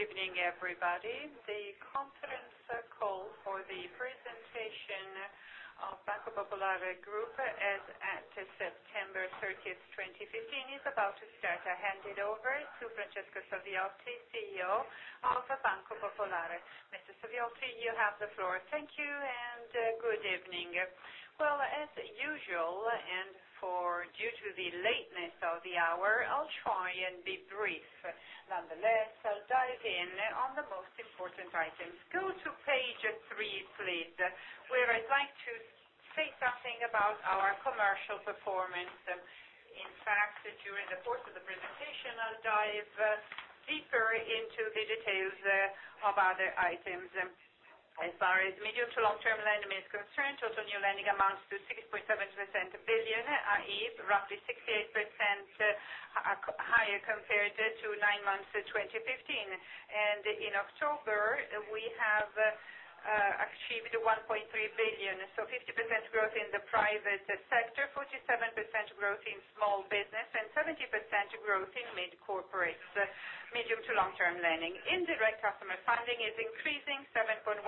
Evening, everybody. The conference call for the presentation of Banco BPM Group as at September 30th, 2015, is about to start. I hand it over to Francesco Saviotti, CEO of Banco BPM. Mr. Saviotti, you have the floor. Thank you, good evening. Well, as usual, due to the lateness of the hour, I'll try and be brief. Nonetheless, I'll dive in on the most important items. Go to Page three, please, where I'd like to say something about our commercial performance. In fact, during the course of the presentation, I'll dive deeper into the details of other items. As far as medium to long-term lending is concerned, total new lending amounts to 6.7 billion, i.e., roughly 68% higher compared to nine months of 2015. In October, we have achieved 1.3 billion, 50% growth in the private sector, 47% growth in small business, 17% growth in mid-corporate medium to long-term lending. Indirect customer funding is increasing 7.1%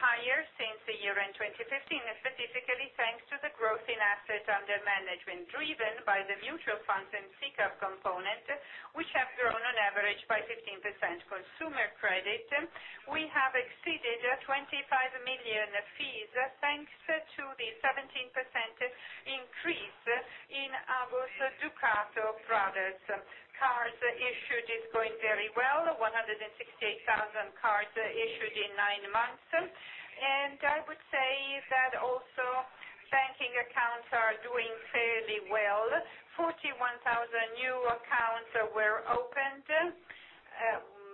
higher since the year-end 2015, specifically thanks to the growth in assets under management, driven by the mutual funds and SICAV component, which have grown on average by 15%. Consumer credit. We have exceeded 25 million fees, thanks to the 17% increase in our Ducato products. Cards issued is going very well. 168,000 cards issued in nine months. I would say that also banking accounts are doing fairly well. 41,000 new accounts were opened.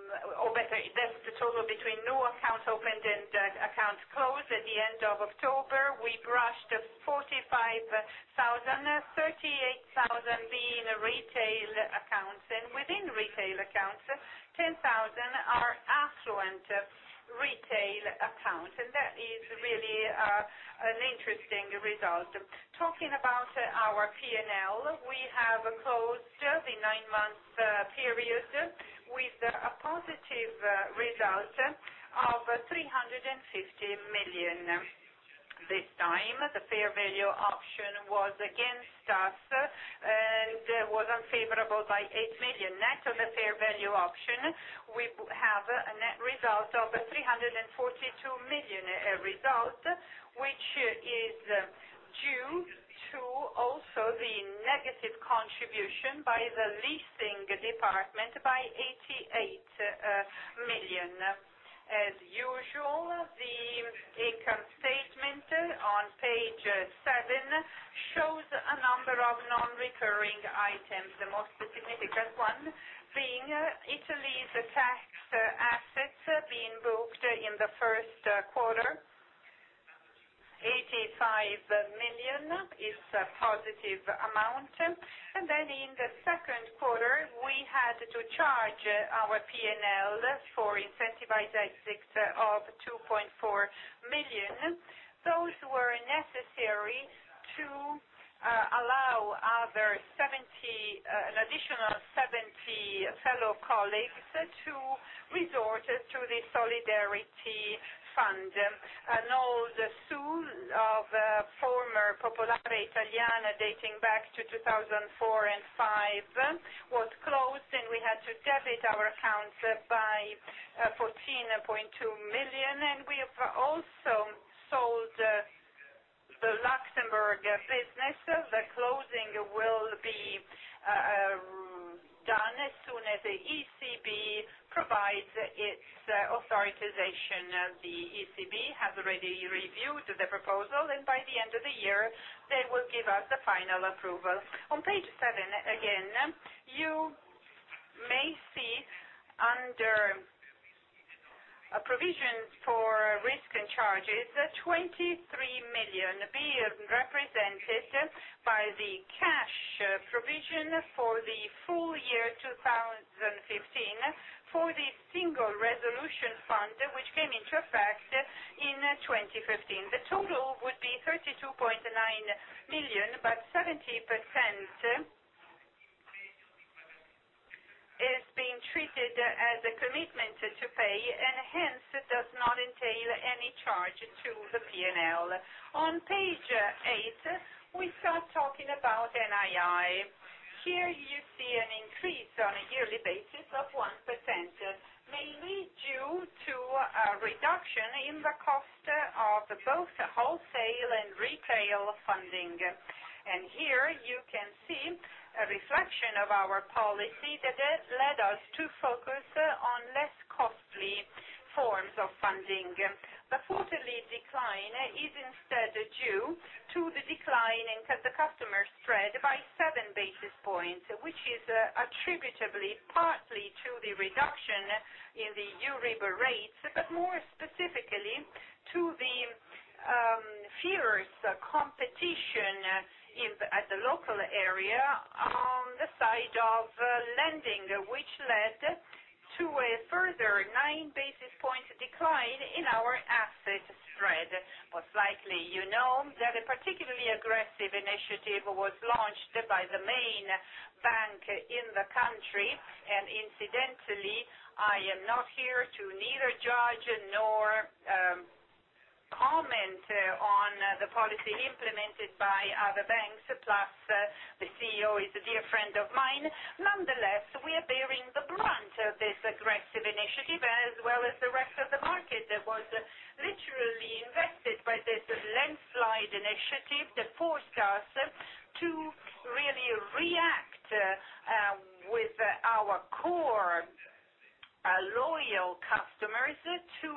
Better, that's the total between new accounts opened and accounts closed at the end of October. We brushed 45,000, 38,000 being retail accounts. Within retail accounts, 10,000 are affluent retail accounts. That is really an interesting result. Talking about our P&L, we have closed the nine-month period with a positive result of 350 million. This time, the fair value option was against us, was unfavorable by 8 million. Net of the fair value option, we have a net result of 342 million result, which is due to also the negative contribution by the leasing department by 88 million. As usual, the income statement on Page seven shows a number of non-recurring items. The most significant one being Italy's tax assets being booked in the first quarter. 85 million is a positive amount. Then in the second quarter, we had to charge our P&L for incentivized exits of 2.4 million. Those were necessary to allow an additional 70 fellow colleagues to resort to the solidarity fund. All the suit of former Banca Popolare Italiana dating back to 2004 and 2005 was closed, and we had to debit our accounts by 14.2 million. We have also sold the Luxembourg business. The closing will be done as soon as the ECB provides its authorization. The ECB has already reviewed the proposal, by the end of the year, they will give us the final approval. On Page seven, again, you may see under Provisions for Risk and Charges, 23 million being represented by the cash provision for the full year 2015 for the Single Resolution Fund, which came into effect in 2015. The total would be 32.9 million, but 70% is being treated as a commitment to pay and hence does not entail any charge to the P&L. On Page eight, we start talking about NII. Here you see an increase on a yearly basis of 1%, mainly due to a reduction in the cost of both wholesale and retail funding. Here you can see a reflection of our policy that has led us to focus on less costly forms of funding. The quarterly decline is instead due to the decline in the customer spread by seven basis points, which is attributable partly to the reduction in the Euribor rates, but more specifically to the fierce competition at the local area on the side of lending, which led to a further nine basis points decline in our asset spread. Most likely, you know that a particularly aggressive initiative was launched by the main bank in the country. Incidentally, I am not here to neither judge nor comment on the policy implemented by other banks, plus the CEO is a dear friend of mine. Nonetheless, we are bearing the brunt of this aggressive initiative, as well as the rest of the market that was literally invested by this landslide initiative that forced us to really react with our core, loyal customers to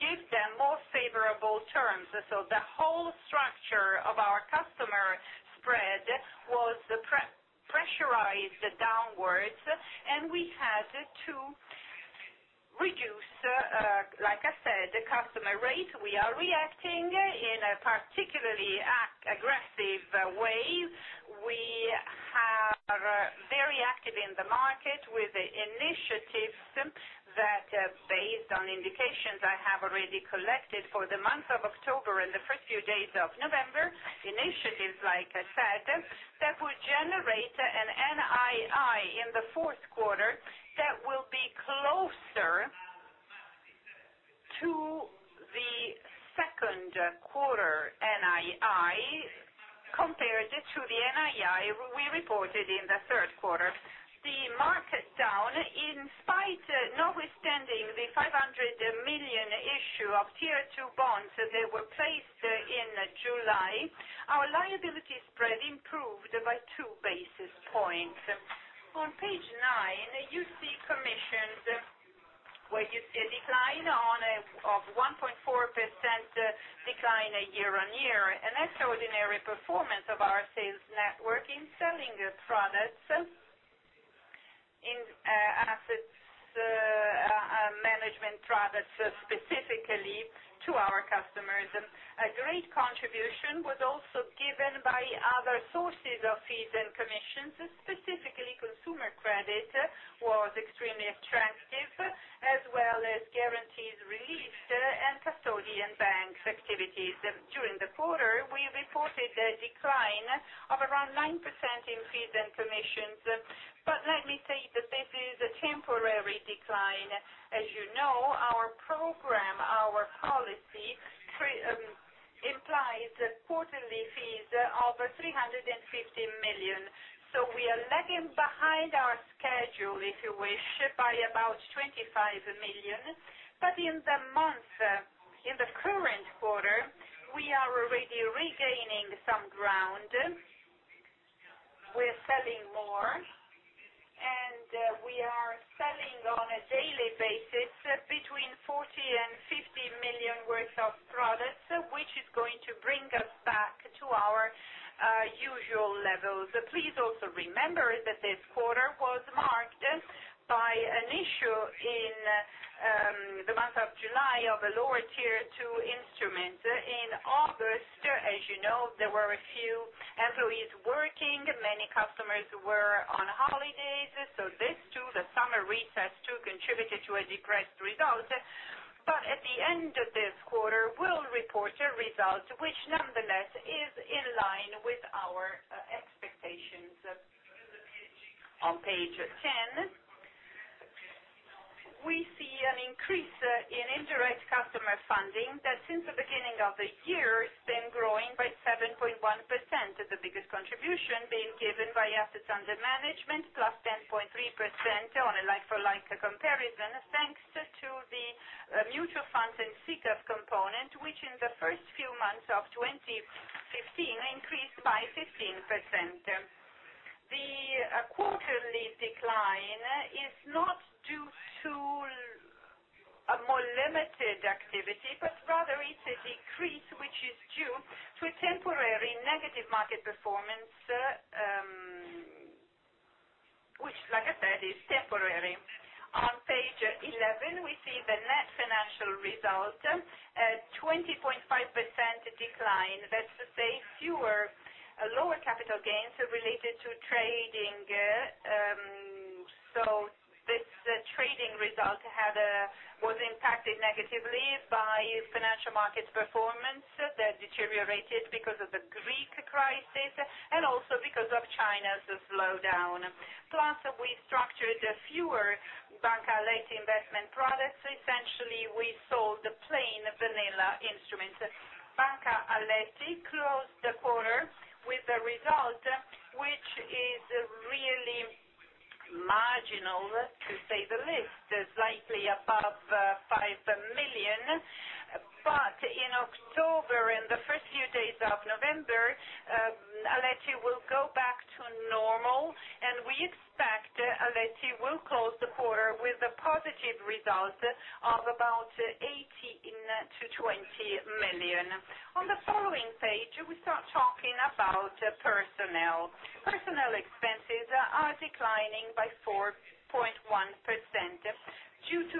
give them more favorable terms. The whole structure of our customer spread was pressurized downwards, and we had to reduce, like I said, the customer rate. We are reacting in a particularly aggressive way. We are very active in the market with initiatives that are based on indications I have already collected for the month of October and the first few days of November. Initiatives, like I said, that would generate an NII in the fourth quarter that will be closer to the second quarter NII compared to the NII we reported in the third quarter. The market down, notwithstanding the 500 million issue of Tier 2 bonds that were placed in July, our liability spread improved by two basis points. On page 9, you see commissions where you see a 1.4% decline year-on-year. An extraordinary performance of our sales network in selling products, in asset management products, specifically to our customers. A great contribution was also given by other sources of fees and commissions. Specifically, consumer credit was extremely attractive, as well as guarantees relieved and custodian banks activities. During the quarter, we reported a decline of around 9% in fees and commissions. Let me say that this is a temporary decline. As you know, our program, our policy implies quarterly fees of 350 million. We are lagging behind our schedule, if you wish, by about 25 million. In the month, in the current quarter, we are already regaining some ground. We are selling more, and we are selling on a daily basis between 40 million and 50 million worth of products, which is going to bring us back to our usual levels. Please also remember that this quarter was marked by an issue in the month of July of a Lower Tier 2 instrument. In August, as you know, there were a few employees working. Many customers were on holidays. This too, the summer recess too contributed to a depressed result. At the end of this quarter, we will report a result which nonetheless is in line with our expectations. On page 10, we see an increase in indirect customer funding that since the beginning of the year has been growing by 7.1%, the biggest contribution being given by assets under management, plus 10.3% on a like-for-like comparison, thanks to the mutual funds and SICAV component, which in the first few months of 2015 increased by 15%. The quarterly decline is not due to a more limited activity, but rather it's a decrease which is due to a temporary negative market performance, which, like I said, is temporary. On page 11, we see the net financial result, a 20.5% decline. That's to say, lower capital gains related to trading. This trading result was impacted negatively by financial market performance that deteriorated because of the Greek crisis and also because of China's slowdown. Plus, we structured fewer Banca Aletti investment products. Essentially, we sold plain vanilla instruments. Banca Aletti closed the quarter with a result, which is really marginal to say the least, slightly above 5 million. In October and the first few days of November, Aletti will go back to normal, and we expect Aletti will close the quarter with a positive result of about 18 million-20 million. On the following page, we start talking about personnel. Personnel expenses are declining by 4.1% due to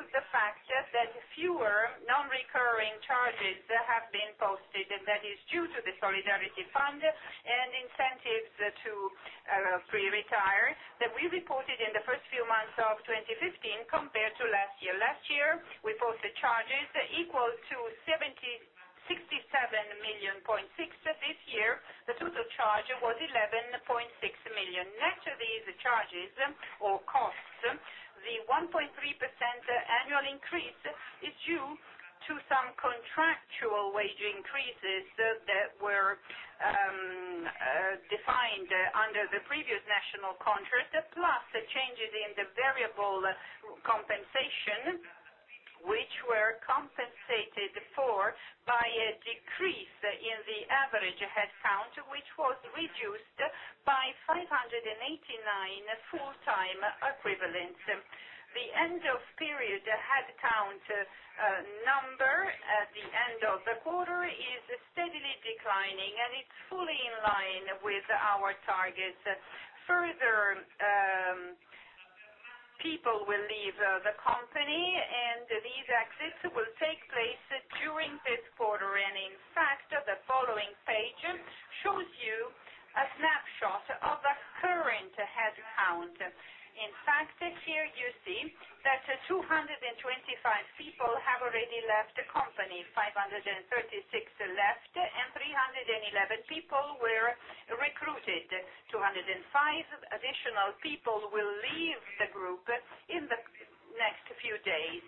fewer non-recurring charges have been posted, and that is due to the solidarity fund and incentives to pre-retire that we reported in the first few months of 2015 compared to last year. Last year, we posted charges equal to 67.6 million. This year, the total charge was 11.6 million. Net of these charges or costs, the 1.3% annual increase is due to some contractual wage increases that were defined under the previous national contract, plus changes in the variable compensation, which were compensated for by a decrease in the average headcount, which was reduced by 589 full-time equivalents. The end of period headcount number at the end of the quarter is steadily declining, and it's fully in line with our targets. Further people will leave the company, and these exits will take place during this quarter. In fact, the following page shows you a snapshot of the current headcount. In fact, here you see that 225 people have already left the company, 536 left, and 311 people were recruited. 205 additional people will leave the group in the next few days.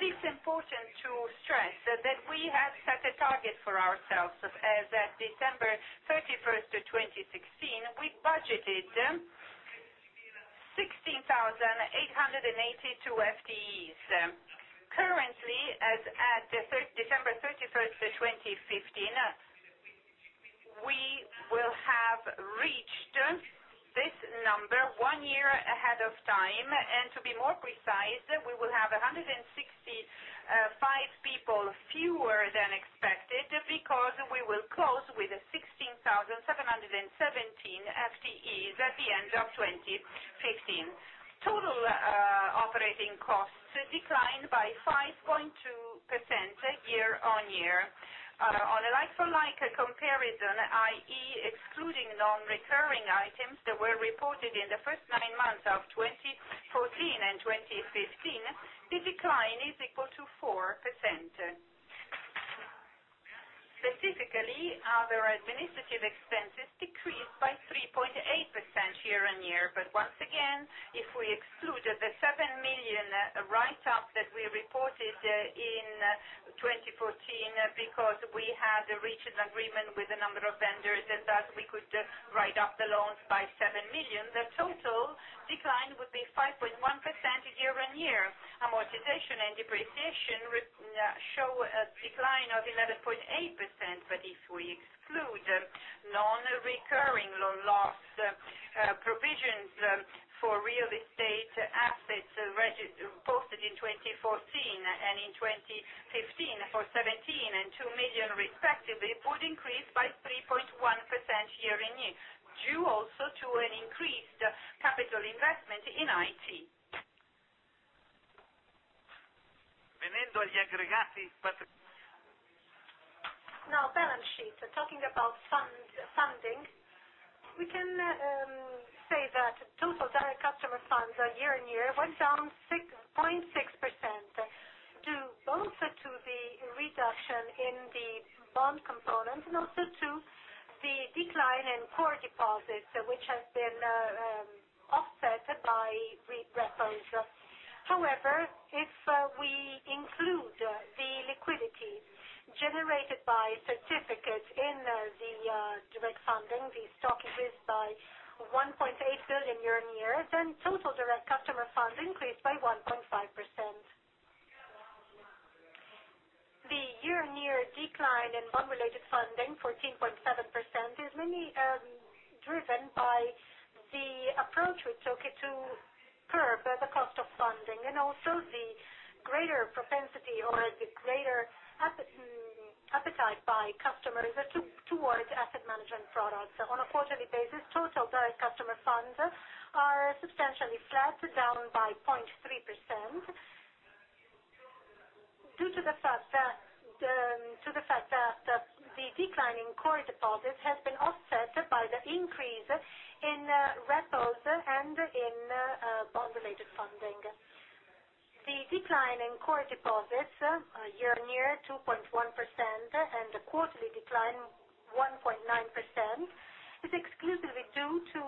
It's important to stress that we have set a target for ourselves. As at December 31st, 2016, we budgeted 16,882 FTEs. Currently, as at December 31st, 2015, we will have reached this number one year ahead of time. To be more precise, we will have 165 people fewer than expected because we will close with 16,717 FTEs at the end of 2015. Total operating costs declined by 5.2% year-on-year. On a like-for-like comparison, i.e., excluding non-recurring items that were reported in the first nine months of 2014 and 2015, the decline is equal to 4%. Specifically, other administrative expenses decreased by 3.8% year-on-year. Once again, if we exclude the 7 million write-off that we reported in 2014 because we had reached an agreement with a number of vendors and thus we could write off the loans by 7 million, the total decline would be 5.1% year-on-year. Amortization and depreciation show a decline of 11.8%. If we exclude non-recurring loan loss provisions for real estate assets posted in 2014 and in 2015 for 17 million and 2 million respectively, it would increase by 3.1% year-on-year, due also to an increased capital investment in IT. Balance sheet. Talking about funding, total direct customer funds year-on-year went down 6.6% due both to the reduction in the bond component and also to the decline in core deposits, which has been offset by repos. If we include the liquidity generated by certificates in the direct funding, these stock issues by 1.8 billion year-on-year, total direct customer funds increased by 1.5%. The year-on-year decline in bond-related funding, 14.7%, is mainly driven by the approach we took to curb the cost of funding and also the greater propensity or the greater appetite by customers towards asset management products. On a quarterly basis, total direct customer funds are substantially flat, down by 0.3%, due to the fact that the decline in core deposits has been offset by the increase in repos and in bond-related funding. The decline in core deposits year-on-year, 2.1%, and the quarterly decline, 1.9%, is exclusively due to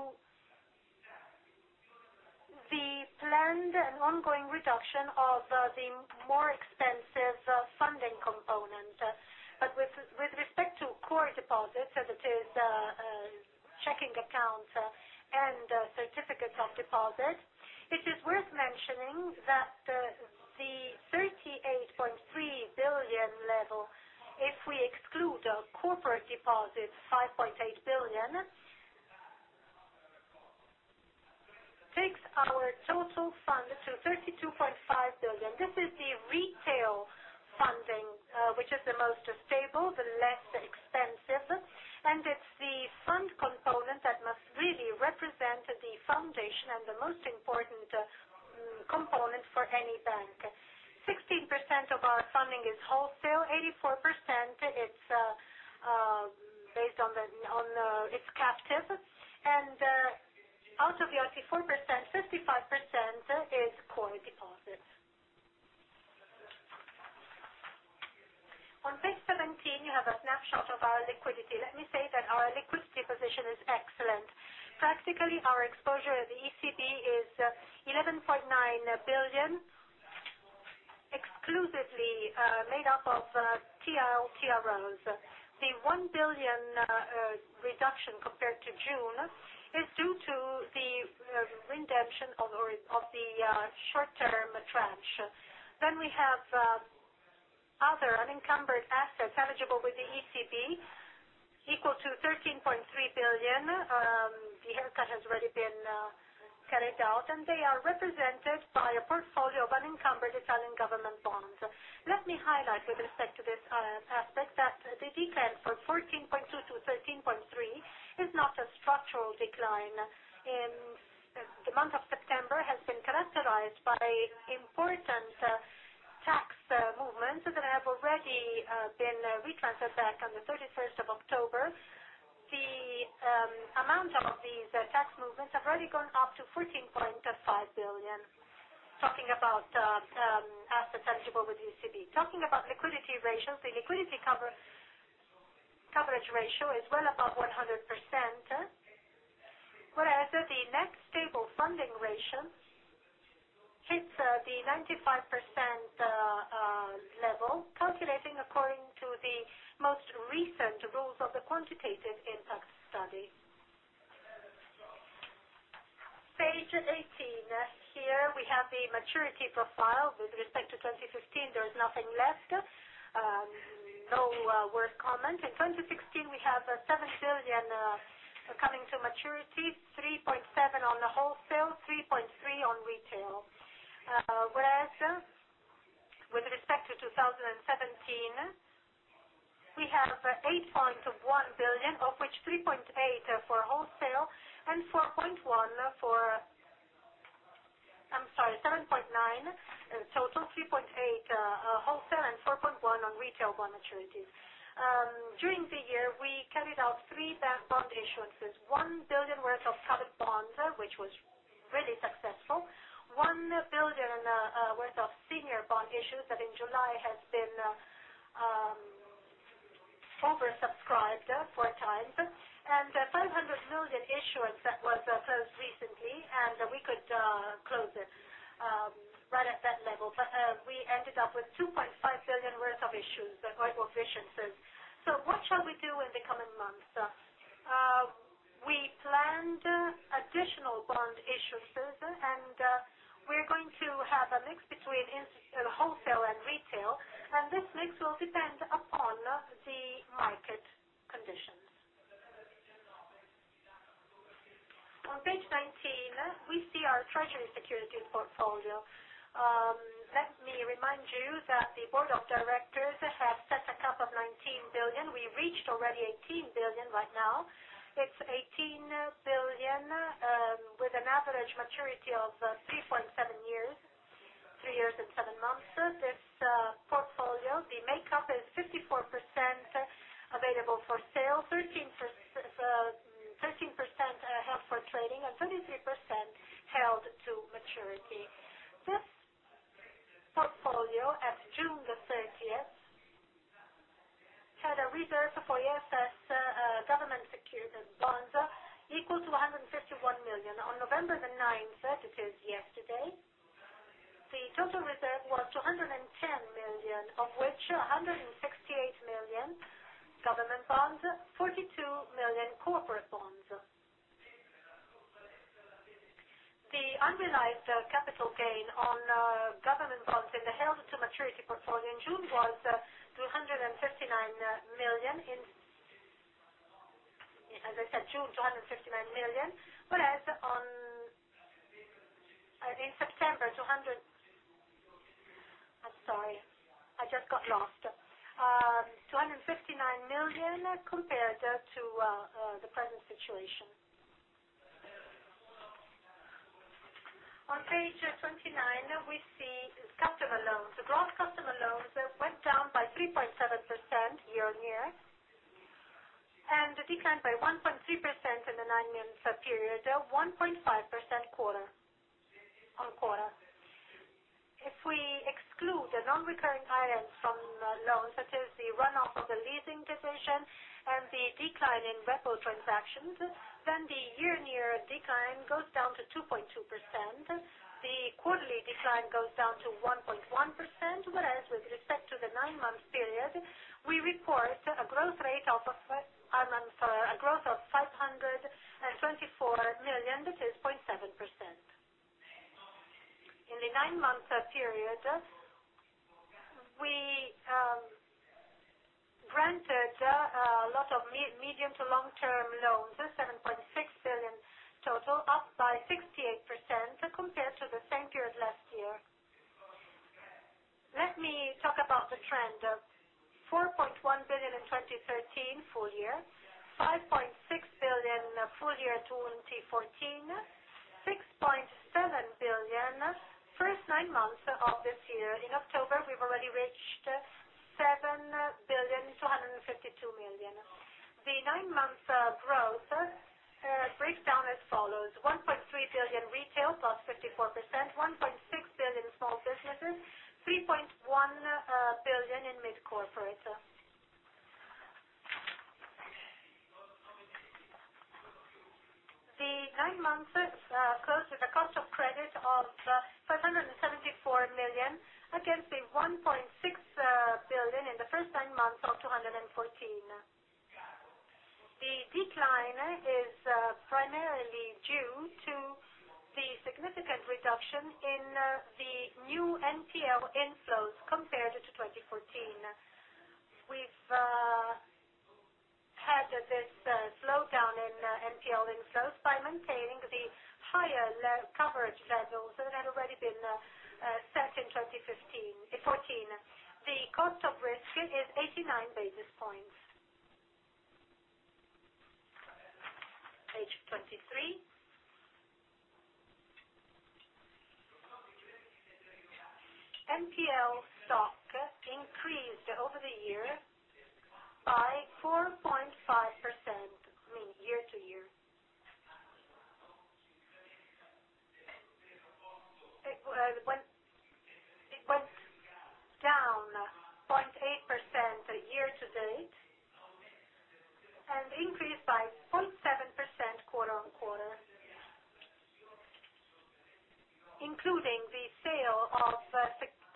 the planned and ongoing reduction of the more expensive funding component. With respect to core deposits, that is checking accounts and certificates of deposit, it is worth mentioning that the 38.3 billion level, if we exclude corporate deposits, 5.8 billion, takes our total fund to 32.5 billion. This is the retail Funding, which is the most stable, the less expensive, and it's the fund component that must really represent the foundation and the most important component for any bank. 16% of our funding is wholesale, 84% is captive. Out of the 84%, 55% is core deposits. On page 17, you have a snapshot of our liquidity. Let me say that our liquidity position is excellent. Practically, our exposure at the ECB is 11.9 billion, exclusively made up of TLTROs. The 1 billion reduction compared to June is due to the redemption of the short-term tranche. We have other unencumbered assets eligible with the ECB equal to 13.3 billion. The haircut has already been carried out, and they are represented by a portfolio of unencumbered Italian government bonds. Let me highlight with respect to this aspect that the decline from 14.2 to 13.3 is not a structural decline. The month of September has been characterized by important tax movements that have already been retransferred back on the 31st of October. The amount of these tax movements has already gone up to 14.5 billion, talking about assets eligible with ECB. Talking about liquidity ratios, the liquidity coverage ratio is well above 100%, whereas the net stable funding ratio hits the 95% level, calculating according to the most recent rules of the quantitative impact study. Page 18. Here we have the maturity profile. With respect to 2015, there is nothing left. No word comment. In 2016, we have 7 billion coming to maturity, 3.7 billion on the wholesale, 3.3 billion on retail. With respect to 2017, we have 8.1 billion, of which 3.8 billion for wholesale and 4.1 billion for I'm sorry, 7.9 billion in total, 3.8 billion wholesale and 4.1 billion on retail bond maturities. During the year, we carried out three bank bond issuances, 1 billion worth of public bonds, which was really successful, 1 billion worth of senior bond issuance that in July has been oversubscribed four times, and a 500 million issuance that was closed recently, and we could close it right at that level. We ended up with 2.5 billion worth of issuances. What shall we do in the coming months? We planned additional bond issuances, and we're going to have a mix between wholesale and retail. This mix will depend upon the market conditions. On page 19, we see our treasury securities portfolio. Let me remind you that the board of directors have set a cap of 19 billion. We reached already 18 billion right now. It is 18 billion with an average maturity of 3.7 years, three years and seven months. This portfolio, the makeup is 54% available for sale, 13% held for trading, and 23% held to maturity. This portfolio, as of June 30th, had a reserve for IFRS government bonds equal to 151 million. On November 9th, it is yesterday, the total reserve was 210 million, of which 168 million government bonds, 42 million corporate bonds. The unrealized capital gain on government bonds in the held to maturity portfolio in June was 259 million. As I said, June, 259 million. In September, I'm sorry, I just got lost. 259 million compared to the present situation. On page 29, we see customer loans. The gross customer loans went down by 3.7% year-on-year, and declined by 1.3% in the nine-month period, 1.5% quarter-on-quarter. If we exclude the non-recurring items from loans, that is the runoff of the leasing division and the decline in repo transactions, the year-on-year decline goes down to 2.2%. The quarterly decline goes down to 1.1%, whereas with respect to the nine-month period, we report a growth of 524 million, that is 0.7%. In the nine-month period, we Granted a lot of medium to long-term loans, 7.6 billion total, up by 68% compared to the same period last year. Let me talk about the trend of 4.1 billion in 2013 full year, 5.6 billion full year 2014, 6.7 billion first nine months of this year. In October, we've already reached 7,252,000,000. The nine months growth breaks down as follows: 1.3 billion retail, plus 54%, 1.6 billion small businesses, 3.1 billion in mid corporate. The nine months closed with a cost of credit of 574 million against the 1.6 billion in the first nine months of 2014. The decline is primarily due to the significant reduction in the new NPL inflows compared to 2014. We've had this slowdown in NPL inflows by maintaining the higher coverage levels that had already been set in 2014. The cost of risk is 89 basis points. Page 23. NPL stock increased over the year by 4.5%, mean year-to-year. It went down 0.8% year-to-date and increased by 0.7% quarter-on-quarter. Including the sale of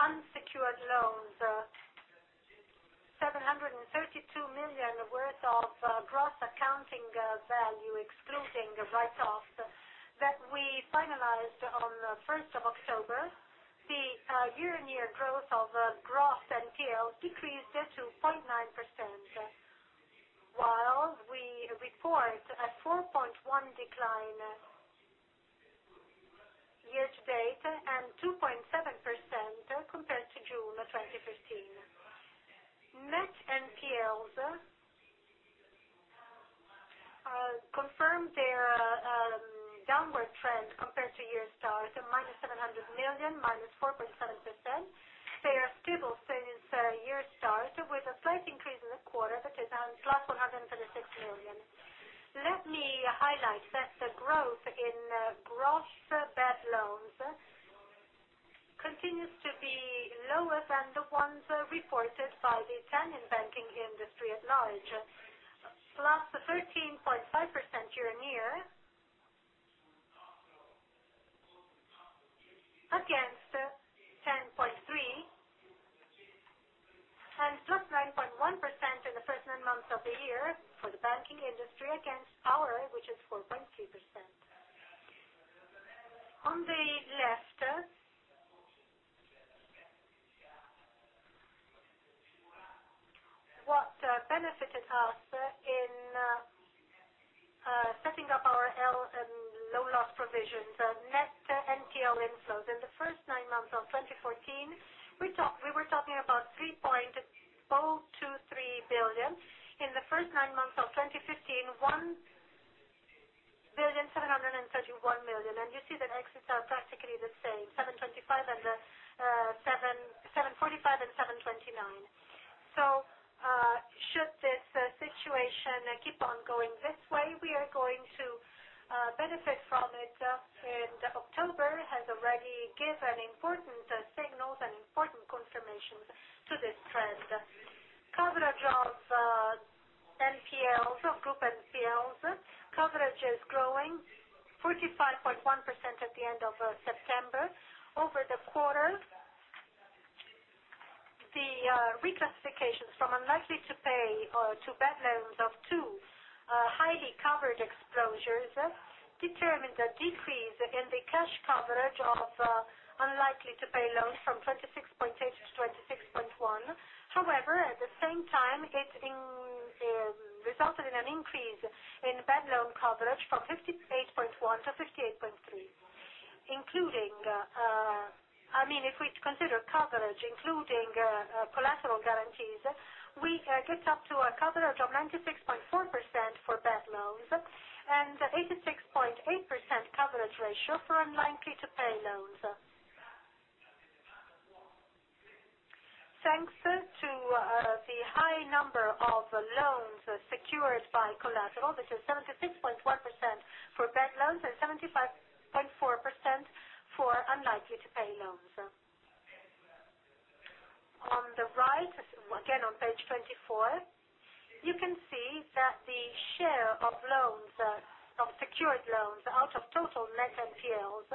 unsecured loans, 732 million worth of gross accounting value, excluding write-offs, that we finalized on the 1st of October, the year-on-year growth of gross NPL decreased to 0.9%, while we report a 4.1 decline year-to-date and 2.7% compared to June of 2015. Net NPLs confirmed their downward trend compared to year start, -700 million, -4.7%. They are stable since year start with a slight increase in the quarter, which is +136 million. Let me highlight that the growth in gross bad loans continues to be lower than the ones reported by the Italian banking industry at large. +13.5% year-on-year, against 10.3% and +9.1% in the first nine months of the year for the banking industry against ours, which is 4.3%. On the left, what benefited us in setting up our low loss provisions, net NPL inflows. In the first nine months of 2014, we were talking about 3.423 billion. In the first nine months of 2015, 1.731 billion. You see that exits are practically the same, 745 million and 729 million. Should this situation keep on going this way, we are going to benefit from it, and October has already given important signals and important confirmations to this trend. Coverage of Group NPLs. Coverage is growing 45.1% at the end of September. Over the quarter, the reclassifications from unlikely to pay to bad loans of two highly covered exposures determined a decrease in the cash coverage of unlikely to pay loans from 26.8% to 26.1%. However, at the same time, it resulted in an increase in bad loan coverage from 58.1% to 58.3%. If we consider coverage including collateral guarantees, we get up to a coverage of 96.4% for bad loans and 86.8% coverage ratio for unlikely to pay loans. Thanks to the high number of loans secured by collateral, which is 76.1% for bad loans and 75.4% for unlikely to pay loans. On the right, again on page 24, you can see that the share of secured loans out of total net NPLs.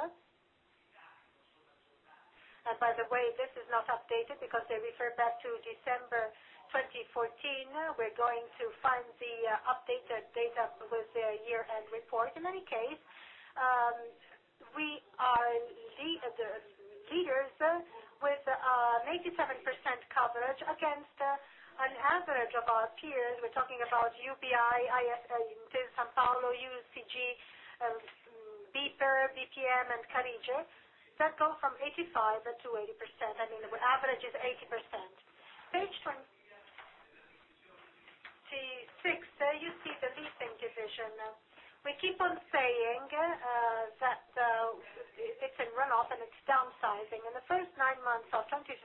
By the way, this is not updated because they refer back to December 2014. We are going to find the updated data with the year-end report. In any case, we are leaders with 87% coverage against an average of our peers. We are talking about UBI, Intesa Sanpaolo, UCG, BPER, BPM, and Carige. That goes from 85% to 80%. The average is 80%. Page 26, you see the leasing division. We keep on saying that it is in run-off and it is downsizing. In the first nine months of 2015,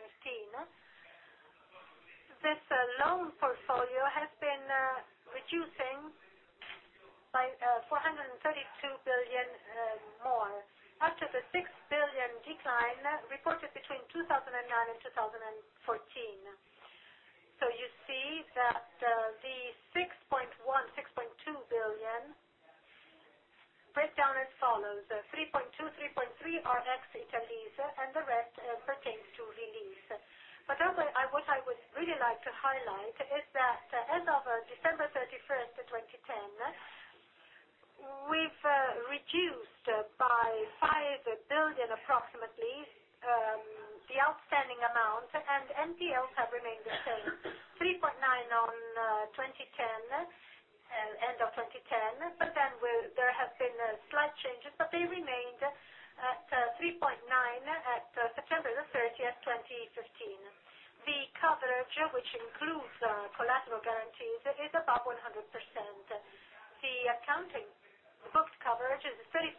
this loan portfolio has been reducing by 432 million more after the 6 billion decline reported between 2009 and 2014. You see that the 6.1 billion-6.2 billion break down as follows: 3.2 billion-3.3 billion are ex-Italease, and the rest pertains to Release. What I would really like to highlight is that as of December 31st, 2010, we have reduced by 5 billion, approximately, the outstanding amount, and NPLs have remained the same. 3.9 billion at end of 2010, but then there have been slight changes, but they remained at 3.9 billion at September 30th, 2015. The coverage, which includes collateral guarantees, is above 100%. The accounting, the booked coverage is 34%,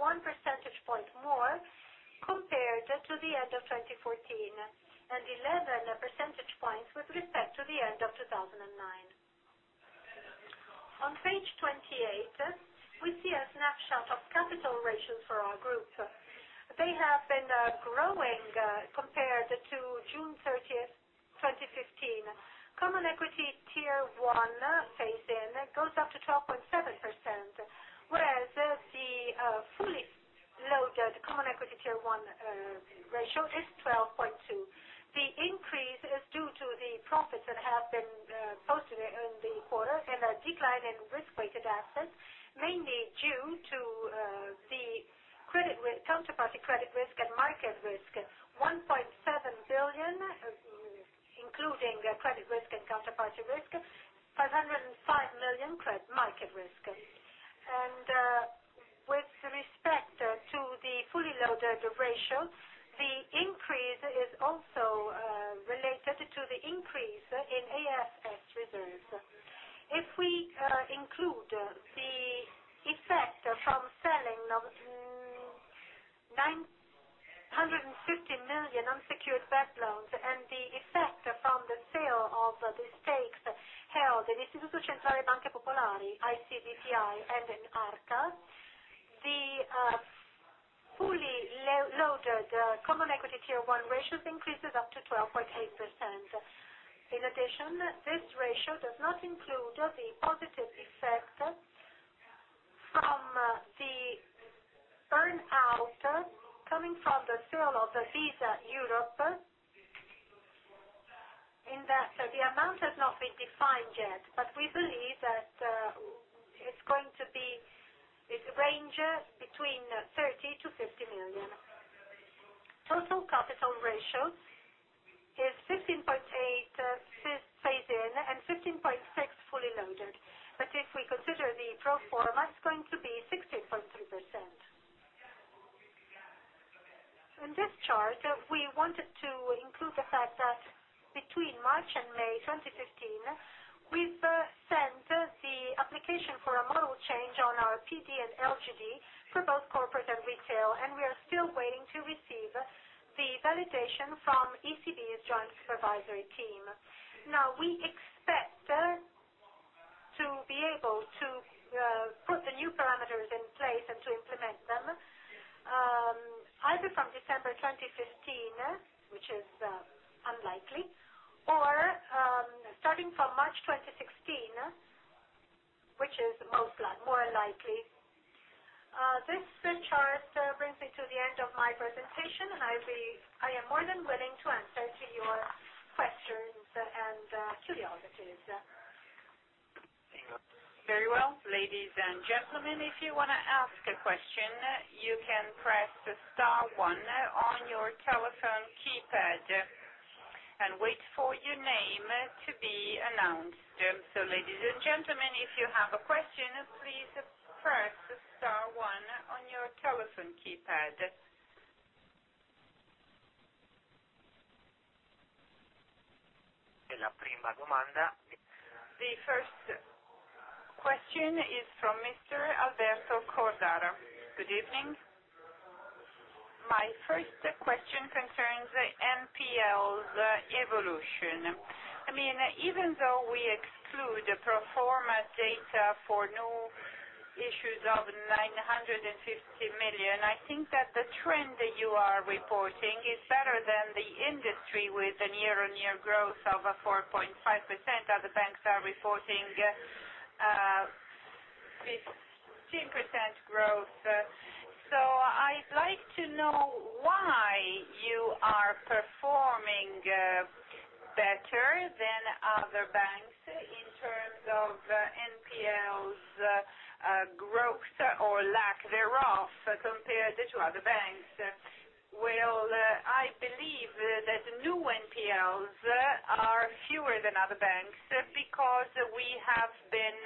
one percentage point more compared to the end of 2014, and 11 percentage points with respect to the end of 2009. On page 28, we see a snapshot of capital ratios for our group. They have been growing compared to June 30th, 2015. Common Equity Tier 1, phase-in, goes up to 12.7%, whereas the fully loaded Common Equity Tier 1 ratio is 12.2. The increase is due to the profits that have been posted in the quarter and a decline in risk-weighted assets, mainly due to the counterparty credit risk and market risk. 1.7 billion, including credit risk and counterparty risk, 505 million market risk. With respect to the fully loaded ratio, the increase is also related to the increase in AFS reserves. If we include the effect from selling 950 million unsecured bad loans and the effect from the sale of the stakes held in Istituto Centrale delle Banche Popolari Italiane, ICBPI, and in Arca Fondi SGR, the fully loaded Common Equity Tier 1 ratios increases up to 12.8%. In addition, this ratio does not include the positive effect from the earn-out coming from the sale of Visa Europe, in that the amount has not been defined yet. We believe that it's going to range between 30 million to 50 million. Total capital ratio is 15.8 phase-in and 15.6 fully loaded. If we consider the pro forma, it's going to be 16.3%. In this chart, we wanted to include the fact that between March and May 2015, we've sent the application for a model change on our PD and LGD for both corporate and retail, and we are still waiting to receive the validation from European Central Bank's Joint Supervisory Team. We expect to be able to put the new parameters in place and to implement them either from December 2015, which is unlikely, or starting from March 2016, which is more likely. This chart brings me to the end of my presentation, and I am more than willing to answer to your questions and curiosities. Very well. Ladies and gentlemen, if you want to ask a question, you can press star one on your telephone keypad and wait for your name to be announced. Ladies and gentlemen, if you have a question, please press star one on your telephone keypad. The first question is from Mr. Alberto Cordara. Good evening. My first question concerns the NPLs evolution. Even though we exclude pro forma data for new issues of 950 million, I think that the trend that you are reporting is better than the industry, with a year-on-year growth of 4.5% other banks are reporting 15% growth. I'd like to know why you are performing better than other banks. In terms of NPLs growth or lack thereof compared to other banks, well, I believe that new NPLs are fewer than other banks because we have been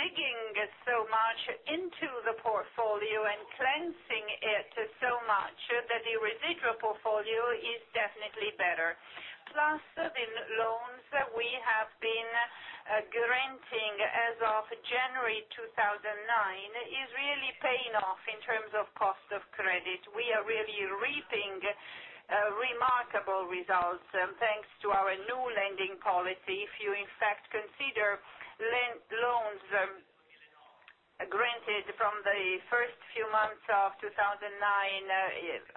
digging so much into the portfolio and cleansing it so much that the residual portfolio is definitely better. Plus, the loans we have been granting as of January 2009 is really paying off in terms of cost of credit. We are really reaping remarkable results, thanks to our new lending policy. If you in fact consider loans granted from the first few months of 2009,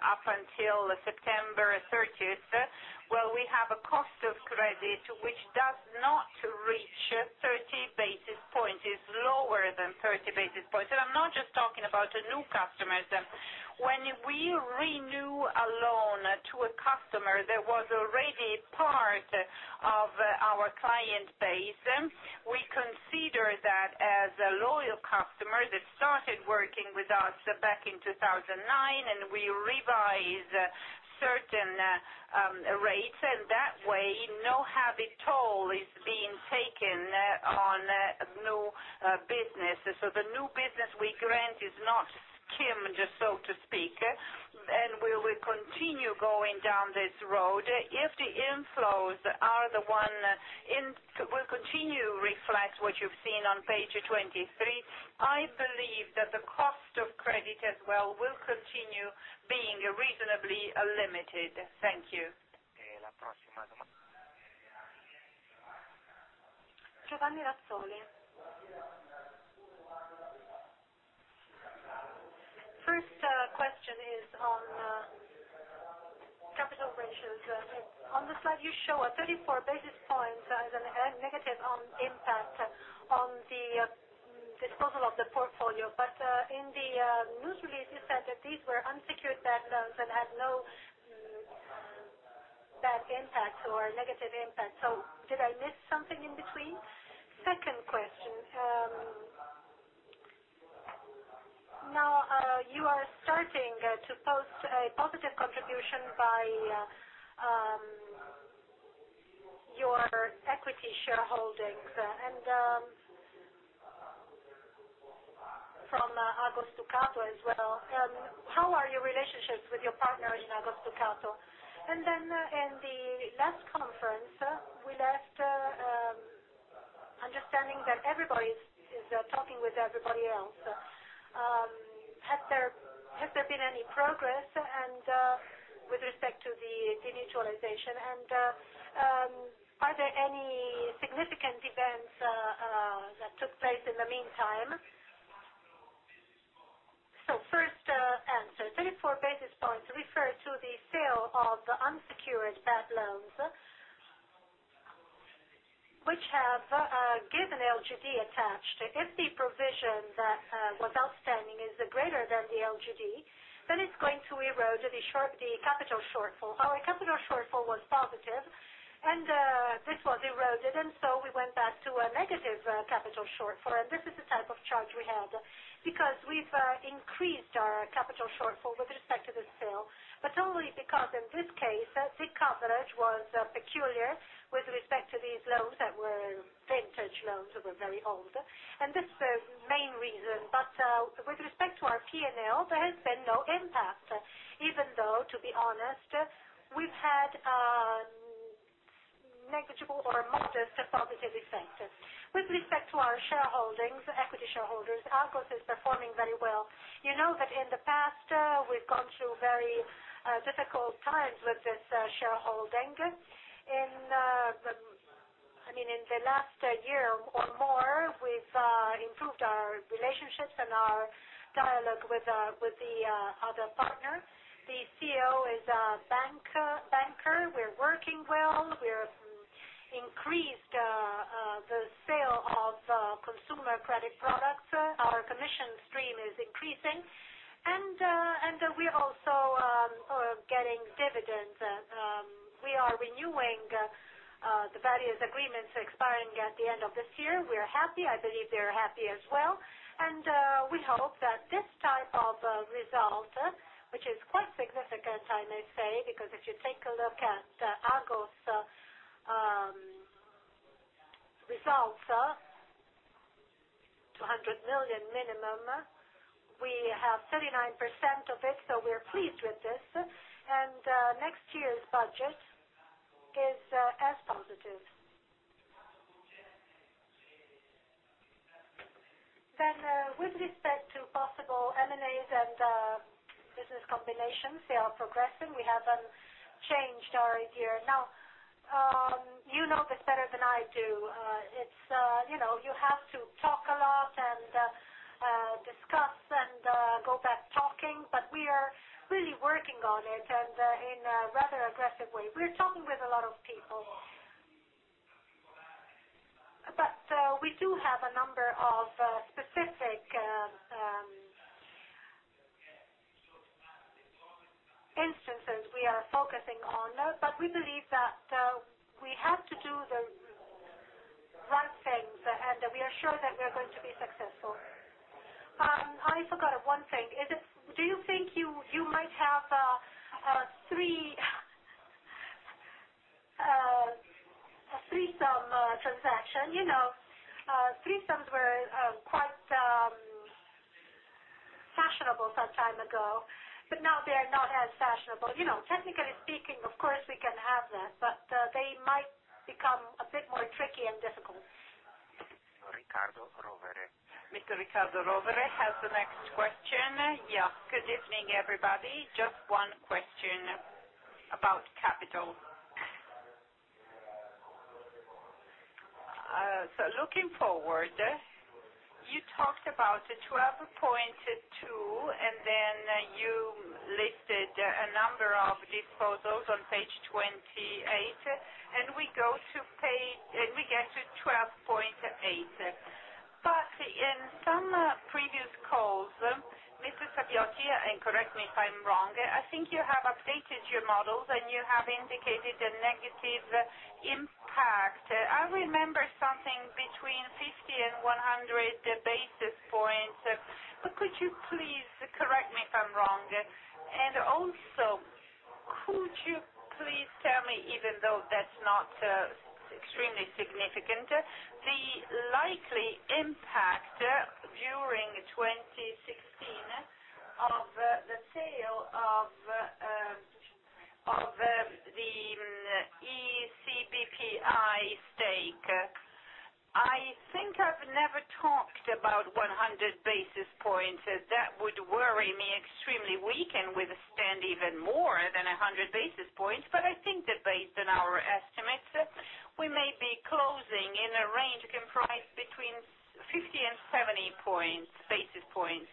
up until September 30th, well, we have a cost of credit which does not reach 30 basis points. It is lower than 30 basis points. I'm not just talking about the new customers. When we renew a loan to a customer that was already part of our client base, we consider that as a loyal customer that started working with us back in 2009. We revise certain rates, and that way, no habit toll is being taken on new business. The new business we grant is not skim, just so to speak, and we will continue going down this road. If the inflows will continue to reflect what you've seen on page 23, I believe that the cost of credit as well will continue being reasonably limited. Thank you. Giovanni Razzoli. First question is on capital ratios. On the slide, you show a 34 basis points as a negative impact on the disposal of the portfolio. In the news release, you said that these were unsecured bad loans and had no bad impact or negative impact. Did I miss something in between? Second question. Now, you are starting to post a positive contribution by your equity shareholdings and from Agos Ducato as well. How are your relationships with your partner in Agos Ducato? In the last conference, we left understanding that everybody is talking with everybody else. Has there been any progress with respect to the denaturalization? Are there any significant events that took place in the meantime? First answer, 34 basis points refer to the sale of unsecured bad loans, which have a given LGD attached. If the provision that was outstanding is greater than the LGD, then it's going to erode the capital shortfall. Our capital shortfall was positive. This was eroded, and so we went back to a negative capital shortfall. This is the type of charge we had because we've increased our capital shortfall with respect to the sale, but only because, in this case, the coverage was peculiar with respect to these loans that were vintage loans that were very old. This is the main reason. With respect to our P&L, there has been no impact. Even though, to be honest, we've had a negligible or modest positive effect. With respect to our shareholdings, equity shareholders, Agos is performing very well. You know that in the past, we've gone through very difficult times with this shareholding. In the last year or more, we've improved our relationships and our dialogue with the other partner. The CEO is a banker. We're working well. We have increased the sale of consumer credit products. Our commission stream is increasing, and we're also getting dividends. We are renewing the various agreements expiring at the end of this year. We are happy. I believe they are happy as well, and we hope that this type of result, which is quite significant, I may say, because if you take a look at Agos results, 200 million minimum, we have 39% of it, so we are pleased with this. Next year's budget is as positive. With respect to possible M&As and business combinations, they are progressing. We haven't changed our idea. Now, you know this better than I do. You have to talk a lot and discuss and go back talking, we are really working on it and in a rather aggressive way. We are talking with a lot of people. We do have a number of specific instances we are focusing on. We believe that we have to do the right things, and we are sure that we are going to be successful. I forgot one thing. Do you think you might have a threesome transaction? Threesomes were quite fashionable some time ago, now they are not as fashionable. Technically speaking, of course, we can have that, they might become a bit more tricky and difficult. Riccardo Rovere. Mr. Riccardo Rovere has the next question. Good evening, everybody. Just one question about capital. Looking forward, you talked about 12.2, and then you listed a number of disposals on page 28, and we get to 12.8. In some previous calls, Mrs. Sabatini, and correct me if I'm wrong, I think you have updated your models, and you have indicated a negative impact. I remember something between 50 and 100 basis points. Could you please correct me if I'm wrong? Also, could you please tell me, even though that's not extremely significant, the likely impact during 2016 of the sale of the ICBPI stake. I think I've never talked about 100 basis points. That would worry me extremely. I think that based on our estimates, we may be closing in a range comprised between 50 and 70 basis points.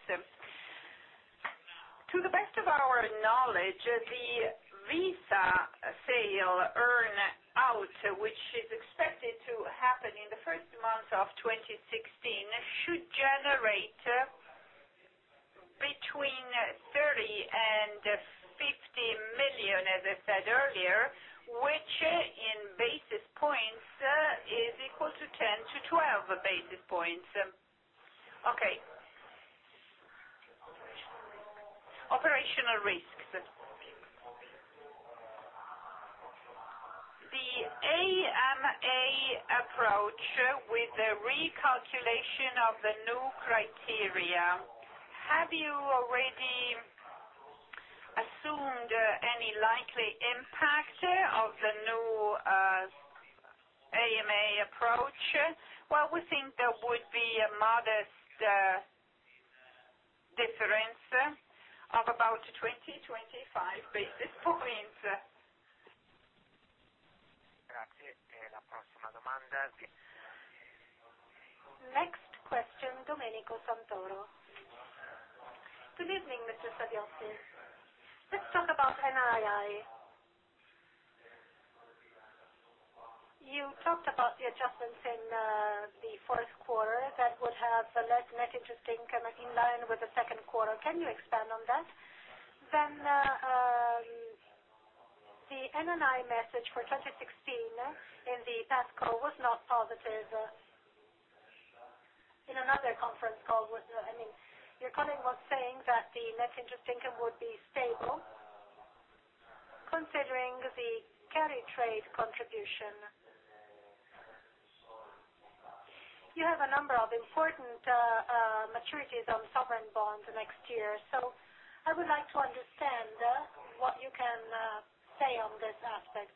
To the best of our knowledge, the Visa sale earn-out, which is expected to happen in the first months of 2016, should generate between EUR 30 million and EUR 50 million, as I said earlier, which in basis points is equal to 10 to 12 basis points. Okay. Operational risks. Operational risks. The AMA approach with the recalculation of the new criteria, have you already assumed any likely impact of the new AMA approach? Well, we think there would be a modest difference of about 20, 25 basis points. Next question, Domenico Santoro. Good evening, Mrs. Sabatini. Let's talk about NII. You talked about the adjustments in the fourth quarter that would have led net interest income in line with the second quarter. Can you expand on that? The NII message for 2016 in the last call was not positive. In another conference call, your colleague was saying that the net interest income would be stable considering the carry trade contribution. You have a number of important maturities on sovereign bonds next year. I would like to understand what you can say on this aspect.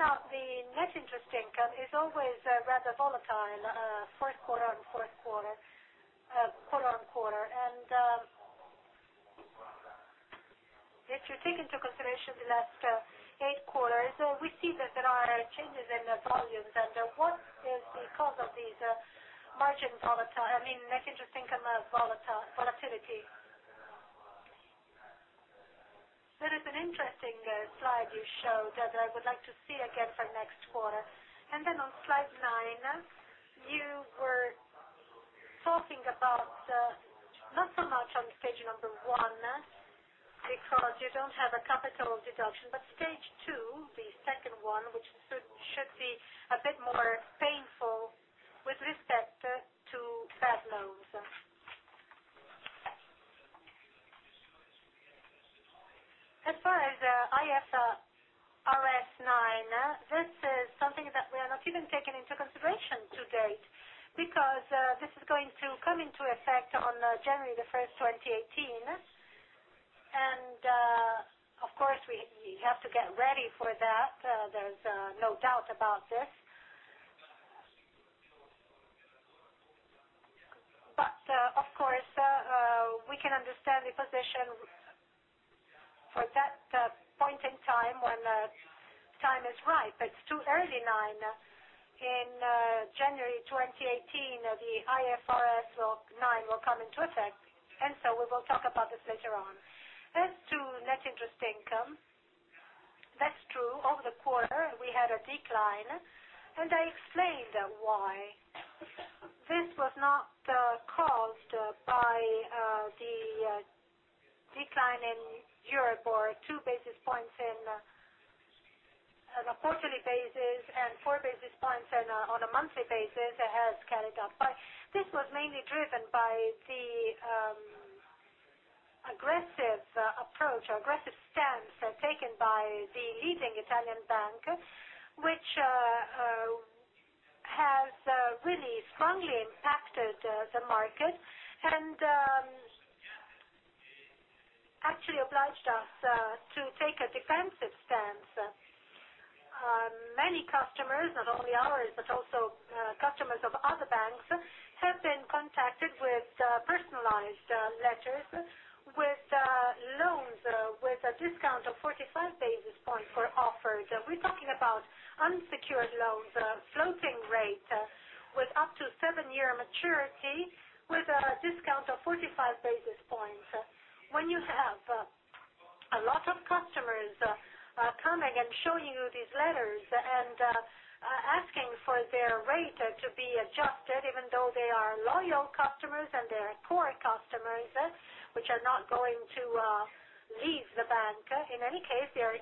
The net interest income is always rather volatile quarter-on-quarter. If you take into consideration the last eight quarters, we see that there are changes in the volumes. What is the cause of this net interest income volatility? There is an interesting slide you showed that I would like to see again for next quarter. Then on slide nine, you were talking about, not so much on stage 1, because you don't have a capital deduction, but stage 2, the second one, which should be a bit more painful with respect to bad loans. As far as IFRS 9, this is something that we have not even taken into consideration to date because this is going to come into effect on January 1st, 2018. Of course, we have to get ready for that. There's no doubt about this. Of course, we can understand the position for that point in time when the time is right. It's too early now. In January 2018, the IFRS 9 will come into effect, we will talk about this later on. As to Net Interest Income That's true. Over the quarter, we had a decline, and I explained why. This was not caused by the decline in Europe or two basis points on a quarterly basis and four basis points on a monthly basis. It has carried up. This was mainly driven by the aggressive approach or aggressive stance taken by the leading Italian bank, which has really strongly impacted the market and actually obliged us to take a defensive stance. Many customers, not only ours, but also customers of other banks, have been contacted with personalized letters with loans with a discount of 45 basis points were offered. We're talking about unsecured loans, floating rate, with up to seven-year maturity, with a discount of 45 basis points. When you have a lot of customers coming and showing you these letters and asking for their rate to be adjusted, even though they are loyal customers and they are core customers, which are not going to leave the bank, in any case, they are